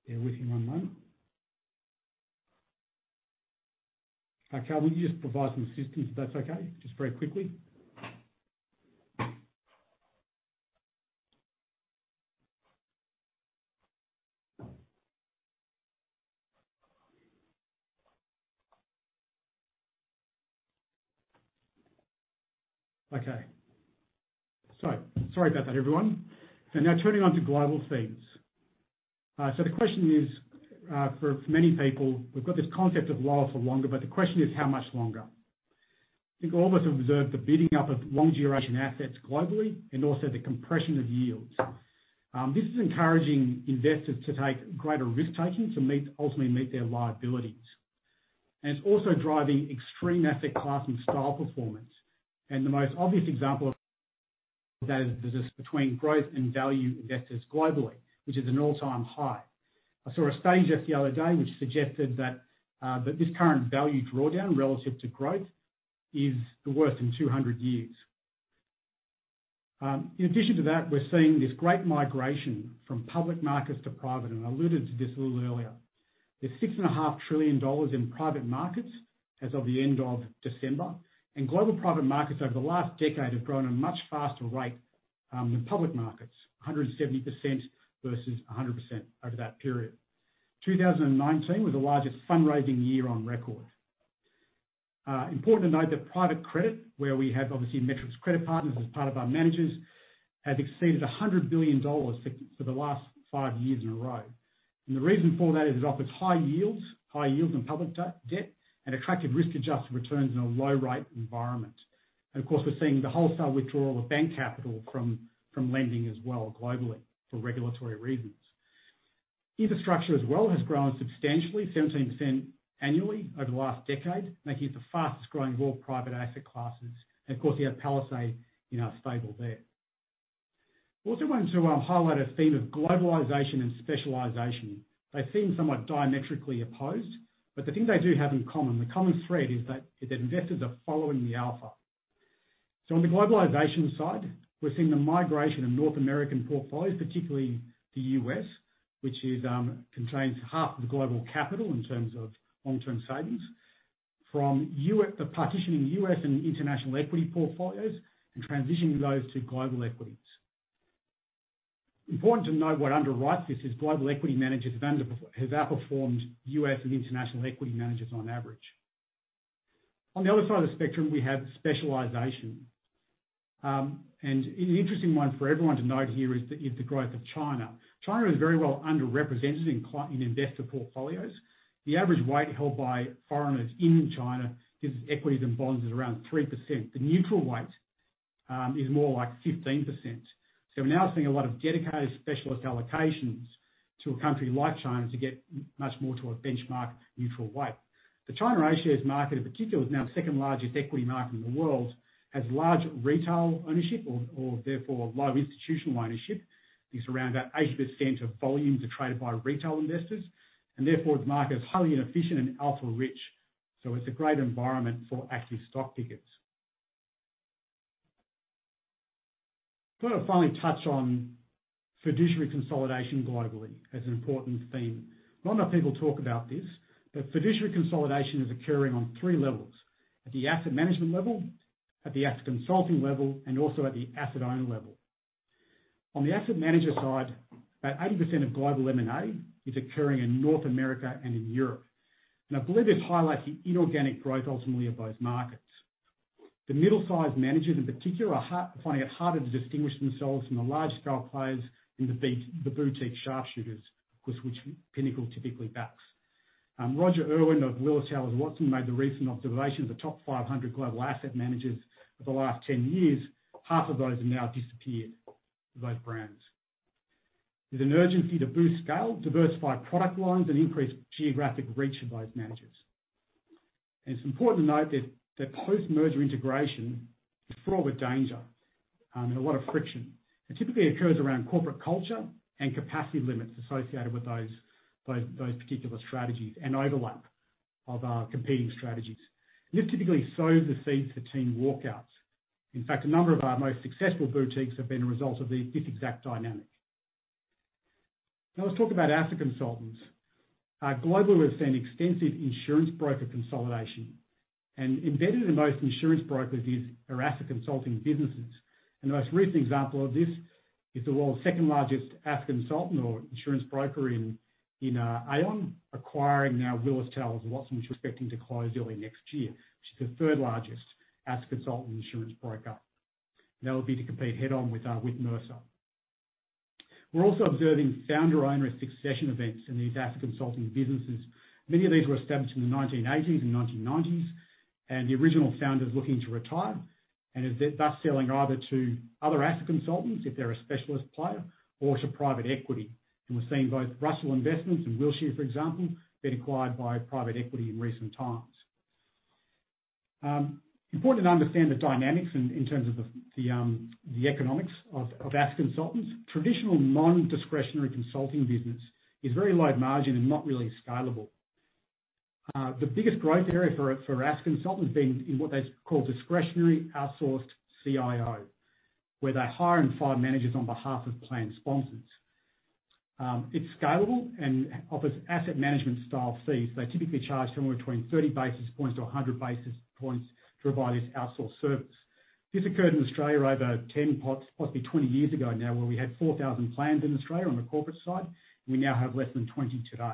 Bear with me one moment. Okay, would you just provide some assistance if that's okay? Just very quickly. Sorry about that, everyone. Now turning on to global themes. The question is, for many people, we've got this concept of lower for longer, but the question is, how much longer? I think all of us have observed the bidding up of long-duration assets globally, and also the compression of yields. This is encouraging investors to take greater risk-taking to ultimately meet their liabilities. It's also driving extreme asset class and style performance. The most obvious example of that is this between growth and value investors globally, which is an all-time high. I saw a stage just the other day which suggested that this current value drawdown relative to growth is the worst in 200 years. In addition to that, we're seeing this great migration from public markets to private, and I alluded to this a little earlier. There's 6.5 trillion dollars in private markets as of the end of December, Global private markets over the last decade have grown at a much faster rate than public markets, 170% versus 100% over that period. 2019 was the largest fundraising year on record. Important to note that private credit, where we have obviously Metrics Credit Partners as part of our managers, has exceeded 100 billion dollars for the last five years in a row. The reason for that is it offers high yields, high yields on public debt, and attractive risk-adjusted returns in a low-rate environment. Of course, we're seeing the wholesale withdrawal of bank capital from lending as well globally for regulatory reasons. Infrastructure as well has grown substantially, 17% annually over the last decade, making it the fastest growing of all private asset classes. Of course, we have Palisade in our stable there. We also wanted to highlight a theme of globalization and specialization. They seem somewhat diametrically opposed, but the thing they do have in common, the common thread, is that investors are following the alpha. On the globalization side, we're seeing the migration of North American portfolios, particularly the U.S., which contains half of the global capital in terms of long-term savings, from the partitioning U.S. and international equity portfolios and transitioning those to global equities. Important to note what underwrites this is global equity managers have outperformed U.S. and international equity managers on average. On the other side of the spectrum, we have specialization. An interesting one for everyone to note here is the growth of China. China is very well underrepresented in investor portfolios. The average weight held by foreigners in China gives us equities and bonds at around 3%. The neutral weight is more like 15%. We're now seeing a lot of dedicated specialist allocations to a country like China to get much more to a benchmark neutral weight. The China A-shares market in particular is now the second largest equity market in the world, has large retail ownership or therefore low institutional ownership. It's around about 80% of volumes are traded by retail investors, and therefore the market is highly inefficient and alpha rich. It's a great environment for active stock pickers. I want to finally touch on fiduciary consolidation globally as an important theme. Not enough people talk about this, but fiduciary consolidation is occurring on three levels. At the asset management level, at the asset consulting level, and also at the asset owner level. On the asset manager side, about 80% of global M&A is occurring in North America and in Europe. I believe this highlights the inorganic growth ultimately of those markets. The middle-sized managers in particular are finding it harder to distinguish themselves from the large scale players and the boutique sharpshooters, of course, which Pinnacle typically backs. Roger Urwin of Willis Towers Watson made the recent observation, the top 500 global asset managers of the last 10 years, half of those have now disappeared, those brands. There's an urgency to boost scale, diversify product lines, and increase geographic reach of those managers. It's important to note that post-merger integration is fraught with danger and a lot of friction. It typically occurs around corporate culture and capacity limits associated with those particular strategies and overlap of competing strategies. This typically sows the seeds for team walkouts. In fact, a number of our most successful boutiques have been a result of this exact dynamic. Now let's talk about asset consultants. Globally, we've seen extensive insurance broker consolidation. Embedded in most insurance brokers are asset consulting businesses. The most recent example of this is the world's second largest asset consultant or insurance broker in Aon acquiring now Willis Towers Watson, which we're expecting to close early next year, which is the third largest asset consultant insurance broker. That would be to compete head on with Mercer. We're also observing founder owner succession events in these asset consulting businesses. Many of these were established in the 1980s and 1990s, and the original founder is looking to retire and is thus selling either to other asset consultants if they're a specialist player or to private equity. We're seeing both Russell Investments and Wilshire, for example, being acquired by private equity in recent times. Important to understand the dynamics in terms of the economics of asset consultants. Traditional non-discretionary consulting business is very low margin and not really scalable. The biggest growth area for asset consultants being in what they call discretionary outsourced OCIO, where they hire and fire managers on behalf of plan sponsors. It's scalable and offers asset management style fees. They typically charge somewhere between 30 basis points to 100 basis points to provide this outsourced service. This occurred in Australia over 10, possibly 20 years ago now, where we had 4,000 plans in Australia on the corporate side, and we now have less than 20 today.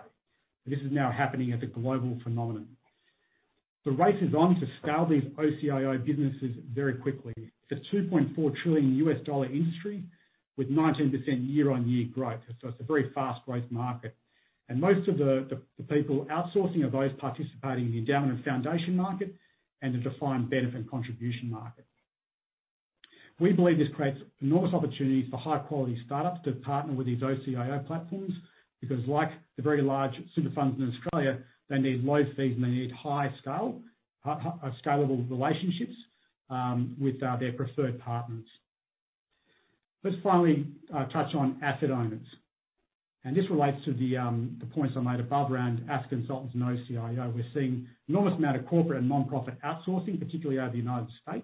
This is now happening as a global phenomenon. The race is on to scale these OCIO businesses very quickly. It's a $2.4 trillion U.S. industry with 19% year-on-year growth. It's a very fast growth market. Most of the people outsourcing are those participating in the endowment foundation market and the defined benefit contribution market. We believe this creates enormous opportunities for high quality startups to partner with these OCIO platforms because like the very large super funds in Australia, they need low fees, and they need high scalable relationships with their preferred partners. Let's finally touch on asset owners. This relates to the points I made above around asset consultants and OCIO. We're seeing enormous amount of corporate and nonprofit outsourcing, particularly out of the U.S.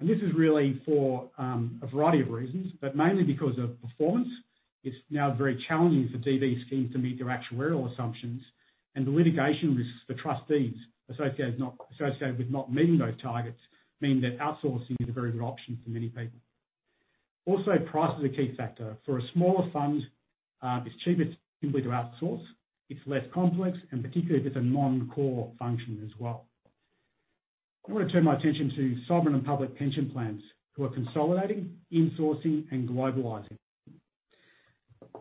This is really for a variety of reasons, but mainly because of performance. It's now very challenging for DB schemes to meet their actuarial assumptions, and the litigation risks for trustees associated with not meeting those targets mean that outsourcing is a very good option for many people. Also, price is a key factor. For a smaller fund, it's cheaper simply to outsource. It's less complex, and particularly if it's a non-core function as well. I want to turn my attention to sovereign and public pension plans who are consolidating, insourcing, and globalizing.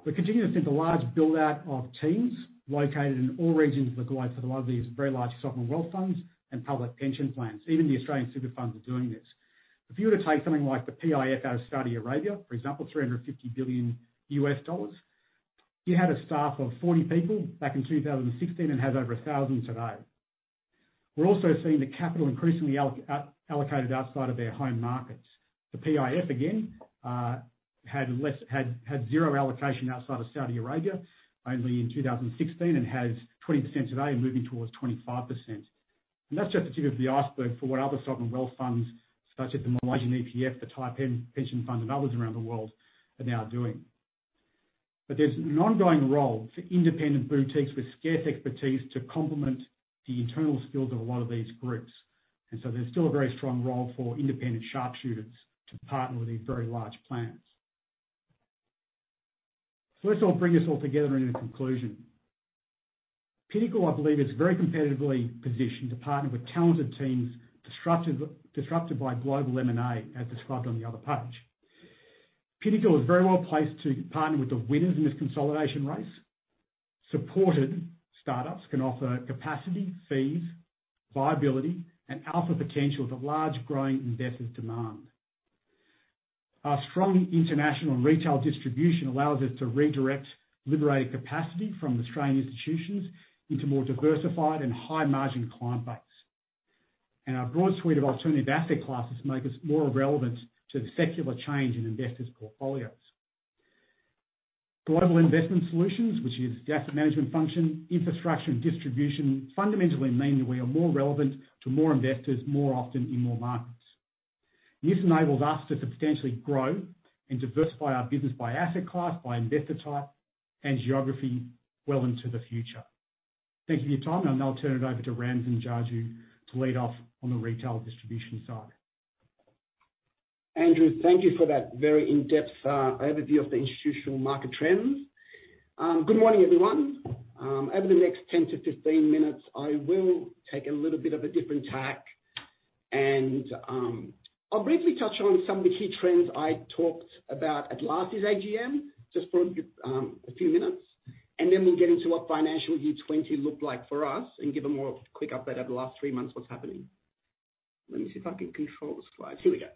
We're continuing to see the large build-out of teams located in all regions of the globe for a lot of these very large sovereign wealth funds and public pension plans. Even the Australian super funds are doing this. If you were to take something like the PIF out of Saudi Arabia, for example, $350 billion, you had a staff of 40 people back in 2016 and has over 1,000 today. We're also seeing the capital increasingly allocated outside of their home markets. The PIF again, had zero allocation outside of Saudi Arabia only in 2016 and has 20% today and moving towards 25%. That's just the tip of the iceberg for what other sovereign wealth funds, such as the Malaysian EPF, the Taiwan Pension Fund, and others around the world are now doing. There's an ongoing role for independent boutiques with scarce expertise to complement the internal skills of a lot of these groups. There's still a very strong role for independent sharpshooters to partner with these very large plans. Let's all bring this all together in a conclusion. Pinnacle, I believe, is very competitively positioned to partner with talented teams disrupted by global M&A, as described on the other page. Pinnacle is very well-placed to partner with the winners in this consolidation race. Supported startups can offer capacity, fees, viability, and alpha potential that large growing investors demand. Our strong international and retail distribution allows us to redirect liberated capacity from Australian institutions into more diversified and high-margin client base. Our broad suite of alternative asset classes make us more relevant to the secular change in investors' portfolios. Global Investment Solutions, which is the asset management function, infrastructure, and distribution, fundamentally mean that we are more relevant to more investors, more often in more markets. This enables us to substantially grow and diversify our business by asset class, by investor type, and geography well into the future. Thank you for your time. I'll now turn it over to Ramsin Jajoo to lead off on the retail distribution side. Andrew, thank you for that very in-depth overview of the institutional market trends. Good morning, everyone. Over the next 10-15 minutes, I will take a little bit of a different tack and I'll briefly touch on some of the key trends I talked about at last year's AGM just for a few minutes. Then we'll get into what financial year 2020 looked like for us and give a more quick update over the last three months what's happening. Let me see if I can control the slides. Here we go.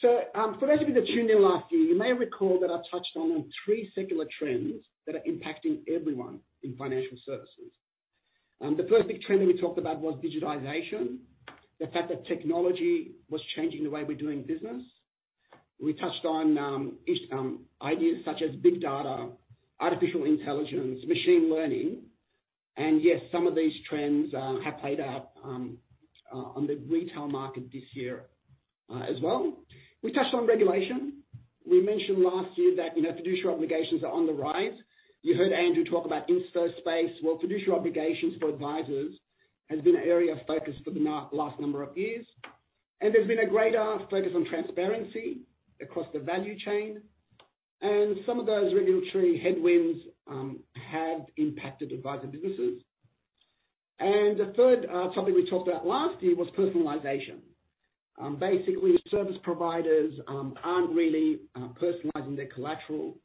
For those of you that tuned in last year, you may recall that I touched on three secular trends that are impacting everyone in financial services. The first big trend that we talked about was digitization. The fact that technology was changing the way we're doing business. We touched on ideas such as big data, artificial intelligence, machine learning. Yes, some of these trends have played out on the retail market this year as well. We touched on regulation. We mentioned last year that fiduciary obligations are on the rise. You heard Andrew talk about insto space, well, fiduciary obligations for advisors has been an area of focus for the last number of years. There's been a greater focus on transparency across the value chain. Some of those regulatory headwinds have impacted advisor businesses. The third topic we talked about last year was personalization. Basically, service providers aren't really personalizing their collateral,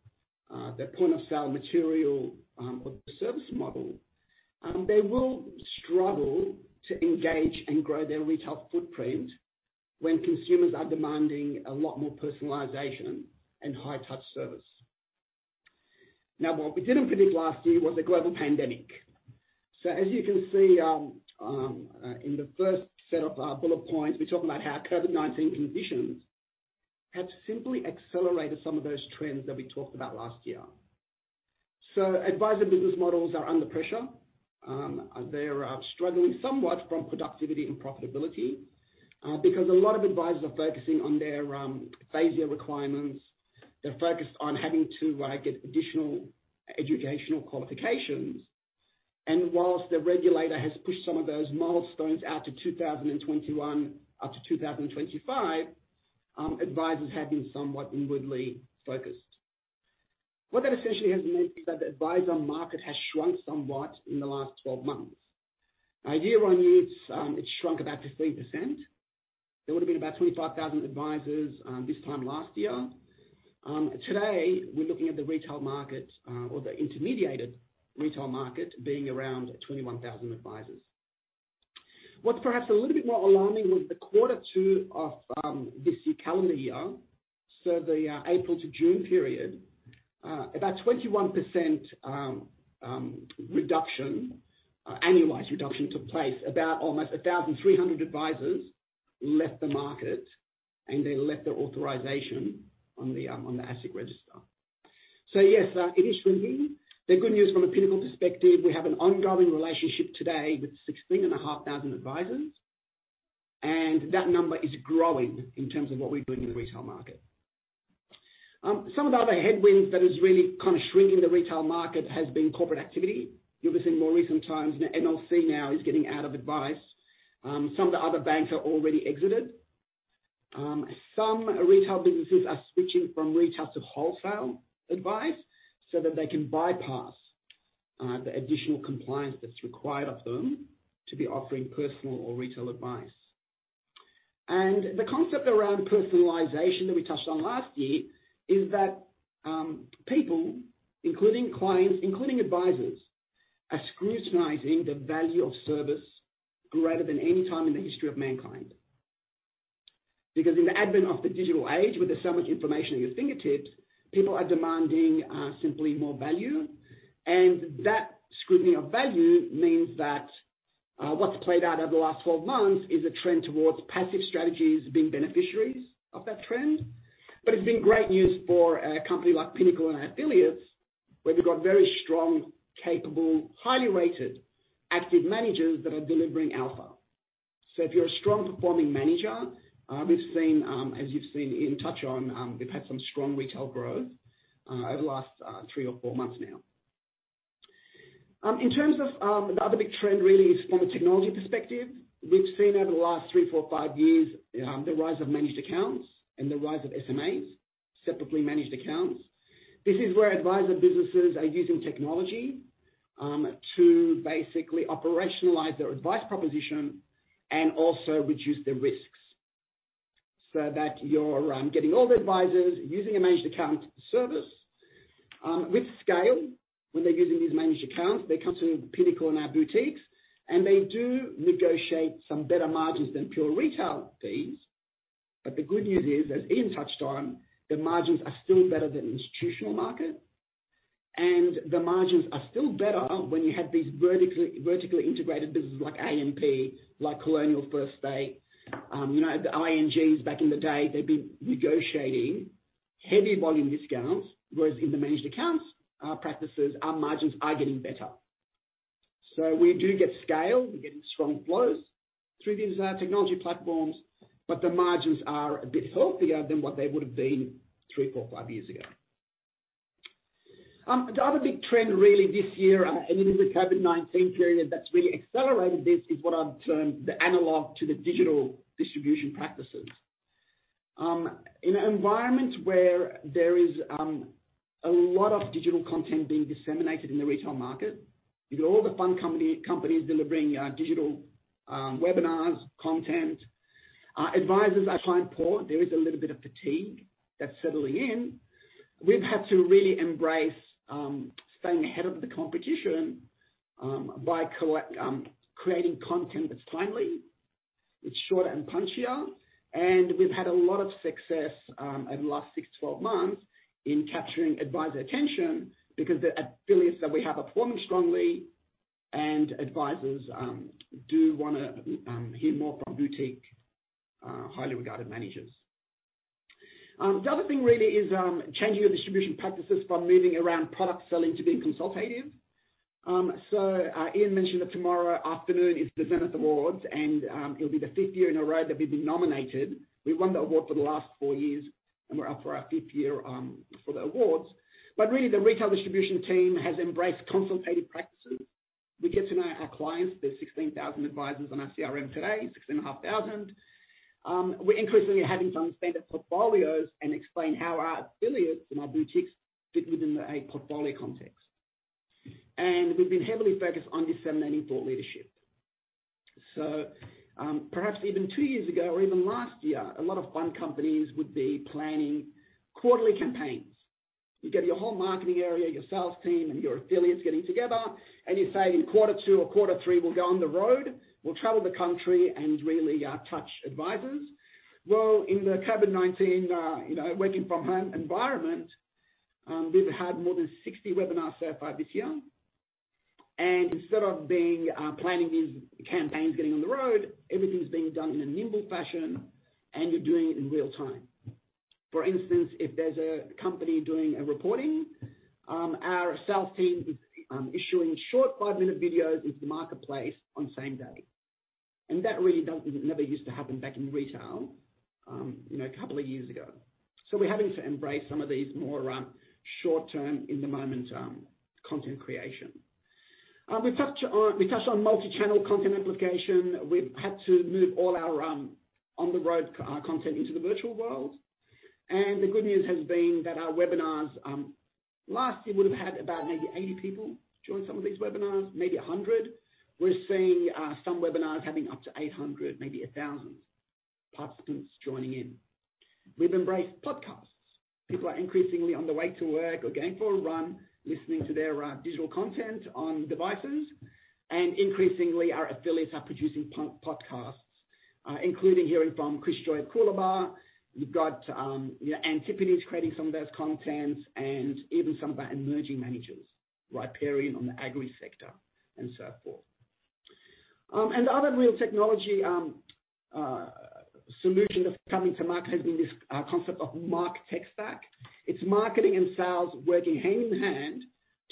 their point-of-sale material, or the service model. They will struggle to engage and grow their retail footprint when consumers are demanding a lot more personalization and high-touch service. What we didn't predict last year was a global pandemic. As you can see in the first set of bullet points, we talk about how COVID-19 conditions have simply accelerated some of those trends that we talked about last year. Advisor business models are under pressure. They're struggling somewhat from productivity and profitability, because a lot of advisors are focusing on their FASEA requirements. They're focused on having to get additional educational qualifications. Whilst the regulator has pushed some of those milestones out to 2021 up to 2025, advisors have been somewhat inwardly focused. What that essentially has meant is that the advisor market has shrunk somewhat in the last 12 months. Year-on-year, it shrunk about 15%. There would've been about 25,000 advisors this time last year. Today, we're looking at the retail market, or the intermediated retail market, being around 21,000 advisors. What's perhaps a little bit more alarming was the quarter two of this calendar year. The April to June period, about 21% annualized reduction took place. About almost 1,300 advisors left the market, and they left their authorization on the ASIC register. Yes, it is shrinking. The good news from a Pinnacle perspective, we have an ongoing relationship today with 16,500 advisors, and that number is growing in terms of what we're doing in the retail market. Some of the other headwinds that is really kind of shrinking the retail market has been corporate activity. You'll see in more recent times, MLC now is getting out of advice. Some of the other banks are already exited. Some retail businesses are switching from retail to wholesale advice so that they can bypass the additional compliance that's required of them to be offering personal or retail advice. The concept around personalization that we touched on last year is that people, including clients, including advisors are scrutinizing the value of service greater than any time in the history of mankind. In the advent of the digital age, where there's so much information at your fingertips, people are demanding simply more value. That scrutiny of value means that what's played out over the last 12 months is a trend towards passive strategies being beneficiaries of that trend. It's been great news for a company like Pinnacle and our affiliates, where we've got very strong, capable, highly rated active managers that are delivering alpha. If you're a strong performing manager, we've seen, as you've seen Ian touch on, we've had some strong retail growth over the last three or four months now. In terms of the other big trend really is from a technology perspective. We've seen over the last three, four, five years, the rise of managed accounts and the rise of SMAs, separately managed accounts. This is where adviser businesses are using technology to basically operationalize their advice proposition and also reduce the risks so that you're getting all the advisers using a managed account service. With scale, when they're using these managed accounts, they come to Pinnacle and our boutiques. They do negotiate some better margins than pure retail fees. The good news is, as Ian touched on, the margins are still better than institutional market. The margins are still better when you have these vertically integrated businesses like AMP, like Colonial First State. The INGs back in the day, they've been negotiating heavy volume discounts, whereas in the managed accounts practices, our margins are getting better. We do get scale. We're getting strong flows through these technology platforms, the margins are a bit healthier than what they would've been three, four, five years ago. The other big trend really this year, it is the COVID-19 period that's really accelerated this, is what I've termed the analog to the digital distribution practices. In an environment where there is a lot of digital content being disseminated in the retail market, you've got all the fund companies delivering digital webinars, content. Advisers are time-poor. There is a little bit of fatigue that's settling in. We've had to really embrace staying ahead of the competition by creating content that's timely, it's shorter and punchier. We've had a lot of success over the last 6-12 months in capturing adviser attention because the affiliates that we have are performing strongly, advisers do want to hear more from boutique, highly regarded managers. The other thing really is changing your distribution practices from moving around product selling to being consultative. Ian mentioned that tomorrow afternoon is the Zenith Awards. It'll be the fifth year in a row that we've been nominated. We've won the award for the last four years. We're up for our fifth year for the awards. Really, the retail distribution team has embraced consultative practices. We get to know our clients. There's 16,000 advisers on our CRM today, 16 and a half thousand. We're increasingly having to understand their portfolios and explain how our affiliates and our boutiques fit within a portfolio context. We've been heavily focused on disseminating thought leadership. Perhaps even two years ago or even last year, a lot of fund companies would be planning quarterly campaigns. You get your whole marketing area, your sales team, and your affiliates getting together, and you say, in quarter two or quarter three, we'll go on the road. We'll travel the country and really touch advisers. In the COVID-19 working from home environment, we've had more than 60 webinars so far this year. Instead of planning these campaigns getting on the road, everything's being done in a nimble fashion, and you're doing it in real time. For instance, if there's a company doing a reporting, our sales team is issuing short five-minute videos into the marketplace on the same day. That really never used to happen back in retail a couple of years ago. We're having to embrace some of these more short-term, in-the-moment content creation. We touched on multi-channel content amplification. We've had to move all our on-the-road content into the virtual world. The good news has been that our webinars, last year, would have had about maybe 80 people join some of these webinars, maybe 100. We're seeing some webinars having up to 800, maybe 1,000 participants joining in. We've embraced podcasts. People are increasingly on the way to work or going for a run listening to their digital content on devices. Increasingly, our affiliates are producing podcasts, including hearing from Chris Joye at Coolabah. You've got Antipodes creating some of those contents and even some of our emerging managers, Riparian on the agri sector and so forth. The other real technology solution that's coming to market has been this concept of martech stack. It's marketing and sales working hand in hand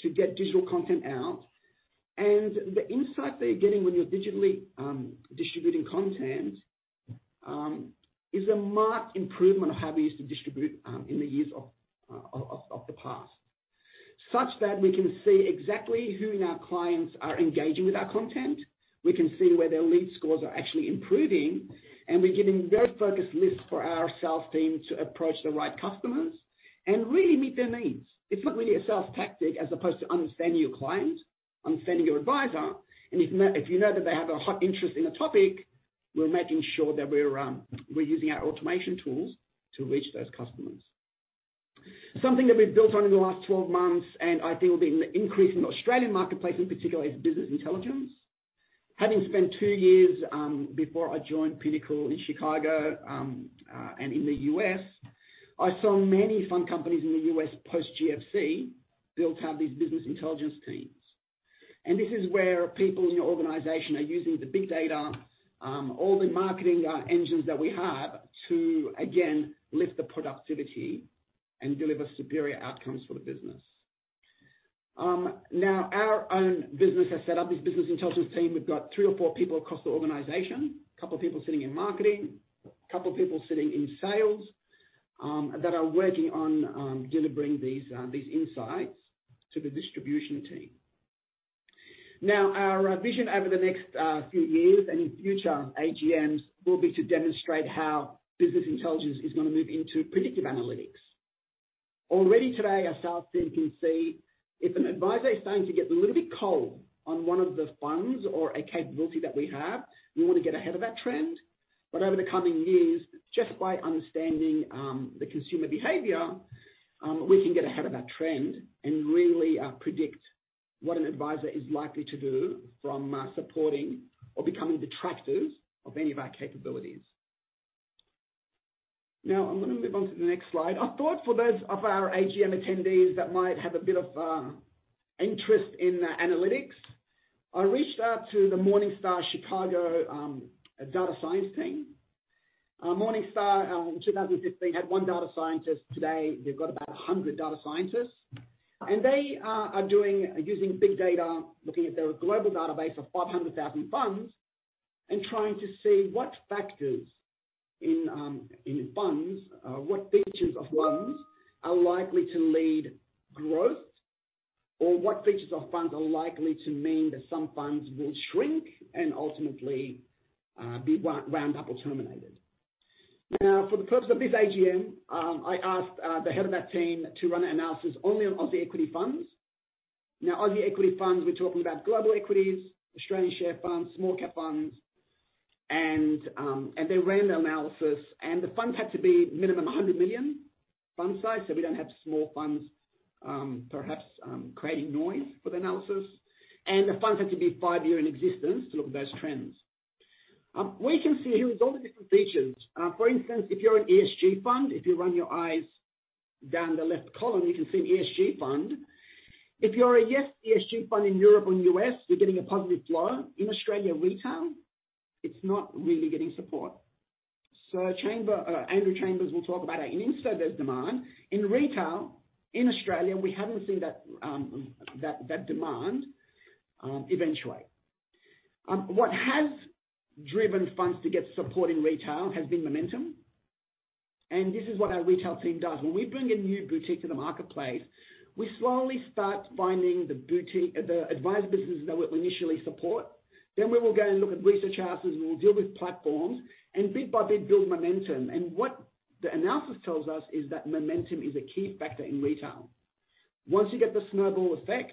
to get digital content out. The insight that you're getting when you're digitally distributing content is a marked improvement of how we used to distribute in the years of the past, such that we can see exactly who in our clients are engaging with our content. We can see where their lead scores are actually improving, and we're giving very focused lists for our sales team to approach the right customers and really meet their needs. It's not really a sales tactic as opposed to understanding your client, understanding your adviser. If you know that they have a hot interest in a topic, we're making sure that we're using our automation tools to reach those customers. Something that we've built on in the last 12 months, and I think will be an increase in the Australian marketplace in particular, is business intelligence. Having spent two years before I joined Pinnacle in Chicago and in the U.S., I saw many fund companies in the U.S. post GFC built have these business intelligence teams. This is where people in your organization are using the big data, all the marketing engines that we have to, again, lift the productivity and deliver superior outcomes for the business. Now, our own business has set up this business intelligence team. We've got three or four people across the organization, couple people sitting in marketing, couple people sitting in sales, that are working on delivering these insights to the distribution team. Now, our vision over the next few years and in future AGMs will be to demonstrate how business intelligence is going to move into predictive analytics. Already today, our sales team can see if an advisor is starting to get a little bit cold on one of the funds or a capability that we have, we want to get ahead of that trend. Over the coming years, just by understanding the consumer behavior, we can get ahead of that trend and really predict what an advisor is likely to do from supporting or becoming detractors of any of our capabilities. Now, I'm going to move on to the next slide. I thought for those of our AGM attendees that might have a bit of interest in analytics, I reached out to the Morningstar Chicago data science team. Morningstar, in 2015, had one data scientist. Today, they've got about 100 data scientists. They are using big data, looking at their global database of 500,000 funds, and trying to see what factors in funds, what features of funds are likely to lead growth, or what features of funds are likely to mean that some funds will shrink and ultimately be wound up or terminated. For the purpose of this AGM, I asked the head of that team to run an analysis only on Aussie equity funds. Now, Aussie equity funds, we're talking about global equities, Australian share funds, small-cap funds, and they ran the analysis, and the funds had to be minimum 100 million fund size, so we don't have small funds perhaps creating noise for the analysis. The funds had to be five year in existence to look at those trends. We can see here all the different features. For instance, if you're an ESG fund, if you run your eyes down the left column, you can see an ESG fund. If you're a yes ESG fund in Europe and U.S., you're getting a positive flow. In Australia retail, it's not really getting support. Andrew Chambers will talk about how in insto there's demand. In retail in Australia, we haven't seen that demand eventuate. What has driven funds to get support in retail has been momentum, and this is what our retail team does. When we bring a new boutique to the marketplace, we slowly start finding the advisor businesses that we initially support, then we will go and look at research houses, and we'll deal with platforms, and bit by bit build momentum. What the analysis tells us is that momentum is a key factor in retail. Once you get the snowball effect,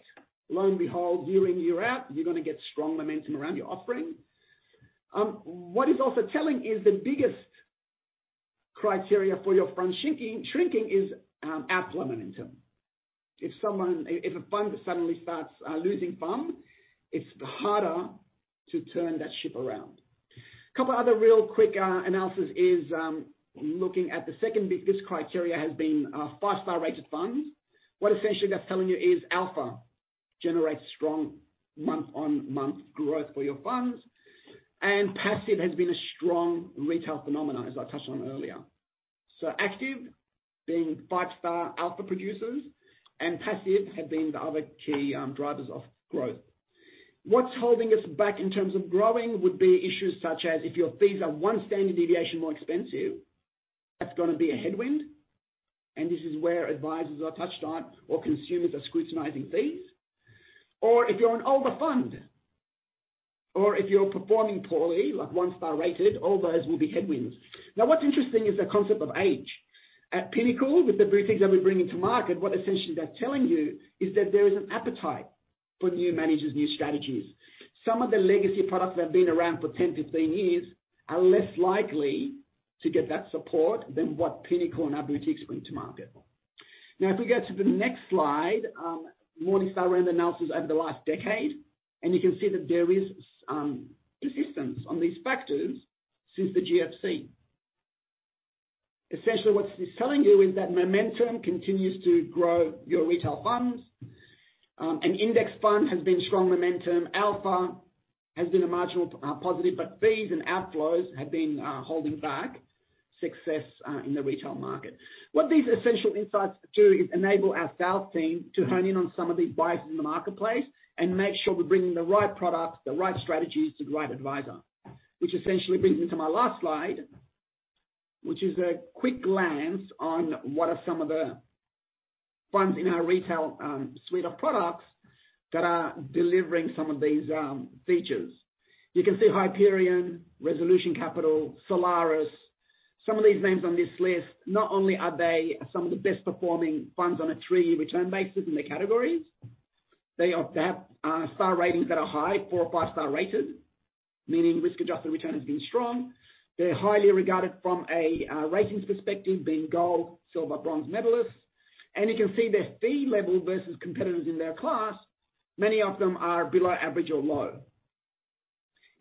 lo and behold, year in, year out, you're going to get strong momentum around your offering. What is also telling is the biggest criteria for your fund shrinking is outflow momentum. If a fund suddenly starts losing FUM, it's harder to turn that ship around. Couple other real quick analysis is looking at the second biggest criteria has been five-star rated funds. What essentially that's telling you is alpha generates strong month-on-month growth for your funds, and passive has been a strong retail phenomenon, as I touched on earlier. Active being 5-star alpha producers, and passive have been the other key drivers of growth. What's holding us back in terms of growing would be issues such as if your fees are 1 standard deviation more expensive, that's going to be a headwind, and this is where advisors I touched on, or consumers are scrutinizing fees. If you're an older fund, or if you're performing poorly, like 1-star rated, all those will be headwinds. What's interesting is the concept of age. At Pinnacle, with the boutiques that we're bringing to market, what essentially that's telling you is that there is an appetite for new managers, new strategies. Some of the legacy products that have been around for 10, 15 years are less likely to get that support than what Pinnacle and our boutiques bring to market. If we go to the next slide, Morningstar ran the analysis over the last decade, you can see that there is persistence on these factors since the GFC. Essentially, what this is telling you is that momentum continues to grow your retail funds. An index fund has been strong momentum. Alpha has been a marginal positive. Fees and outflows have been holding back success in the retail market. What these essential insights do is enable our sales team to hone in on some of these buyers in the marketplace and make sure we're bringing the right products, the right strategies to the right advisor. Essentially brings me to my last slide, which is a quick glance on what are some of the funds in our retail suite of products that are delivering some of these features. You can see Hyperion, Resolution Capital, Solaris. Some of these names on this list, not only are they some of the best performing funds on a three-year return basis in their categories, they have star ratings that are high, four or five-star-rated, meaning risk-adjusted return has been strong. They're highly regarded from a ratings perspective, being Gold, Silver, Bronze medalists. You can see their fee level versus competitors in their class, many of them are below average or low.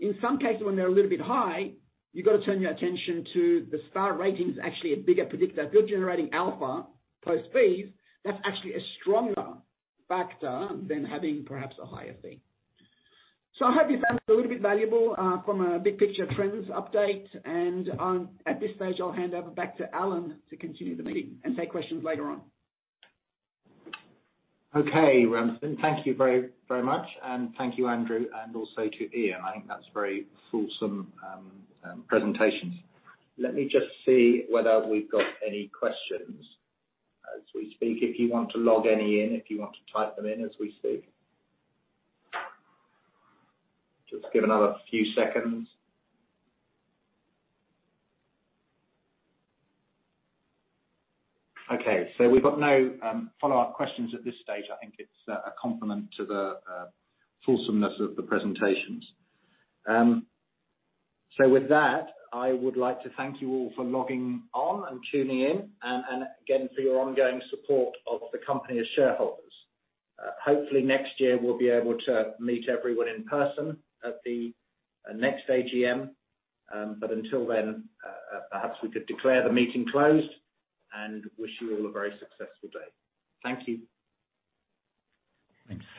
In some cases, when they're a little bit high, you've got to turn your attention to the star ratings, actually a bigger predictor. If you're generating alpha post fees, that's actually a stronger factor than having perhaps a higher fee. I hope you found this a little bit valuable from a big picture trends update. At this stage, I'll hand over back to Alan to continue the meeting and take questions later on. Okay, Ramsin. Thank you very much. Thank you, Andrew, and also to Ian. I think that's very fulsome presentations. Let me just see whether we've got any questions as we speak. If you want to log any in, if you want to type them in as we speak. Just give another few seconds. Okay, we've got no follow-up questions at this stage. I think it's a compliment to the fulsomeness of the presentations. With that, I would like to thank you all for logging on and tuning in, again for your ongoing support of the company as shareholders. Hopefully next year we'll be able to meet everyone in person at the next AGM. Until then, perhaps we could declare the meeting closed and wish you all a very successful day. Thank you. Thanks.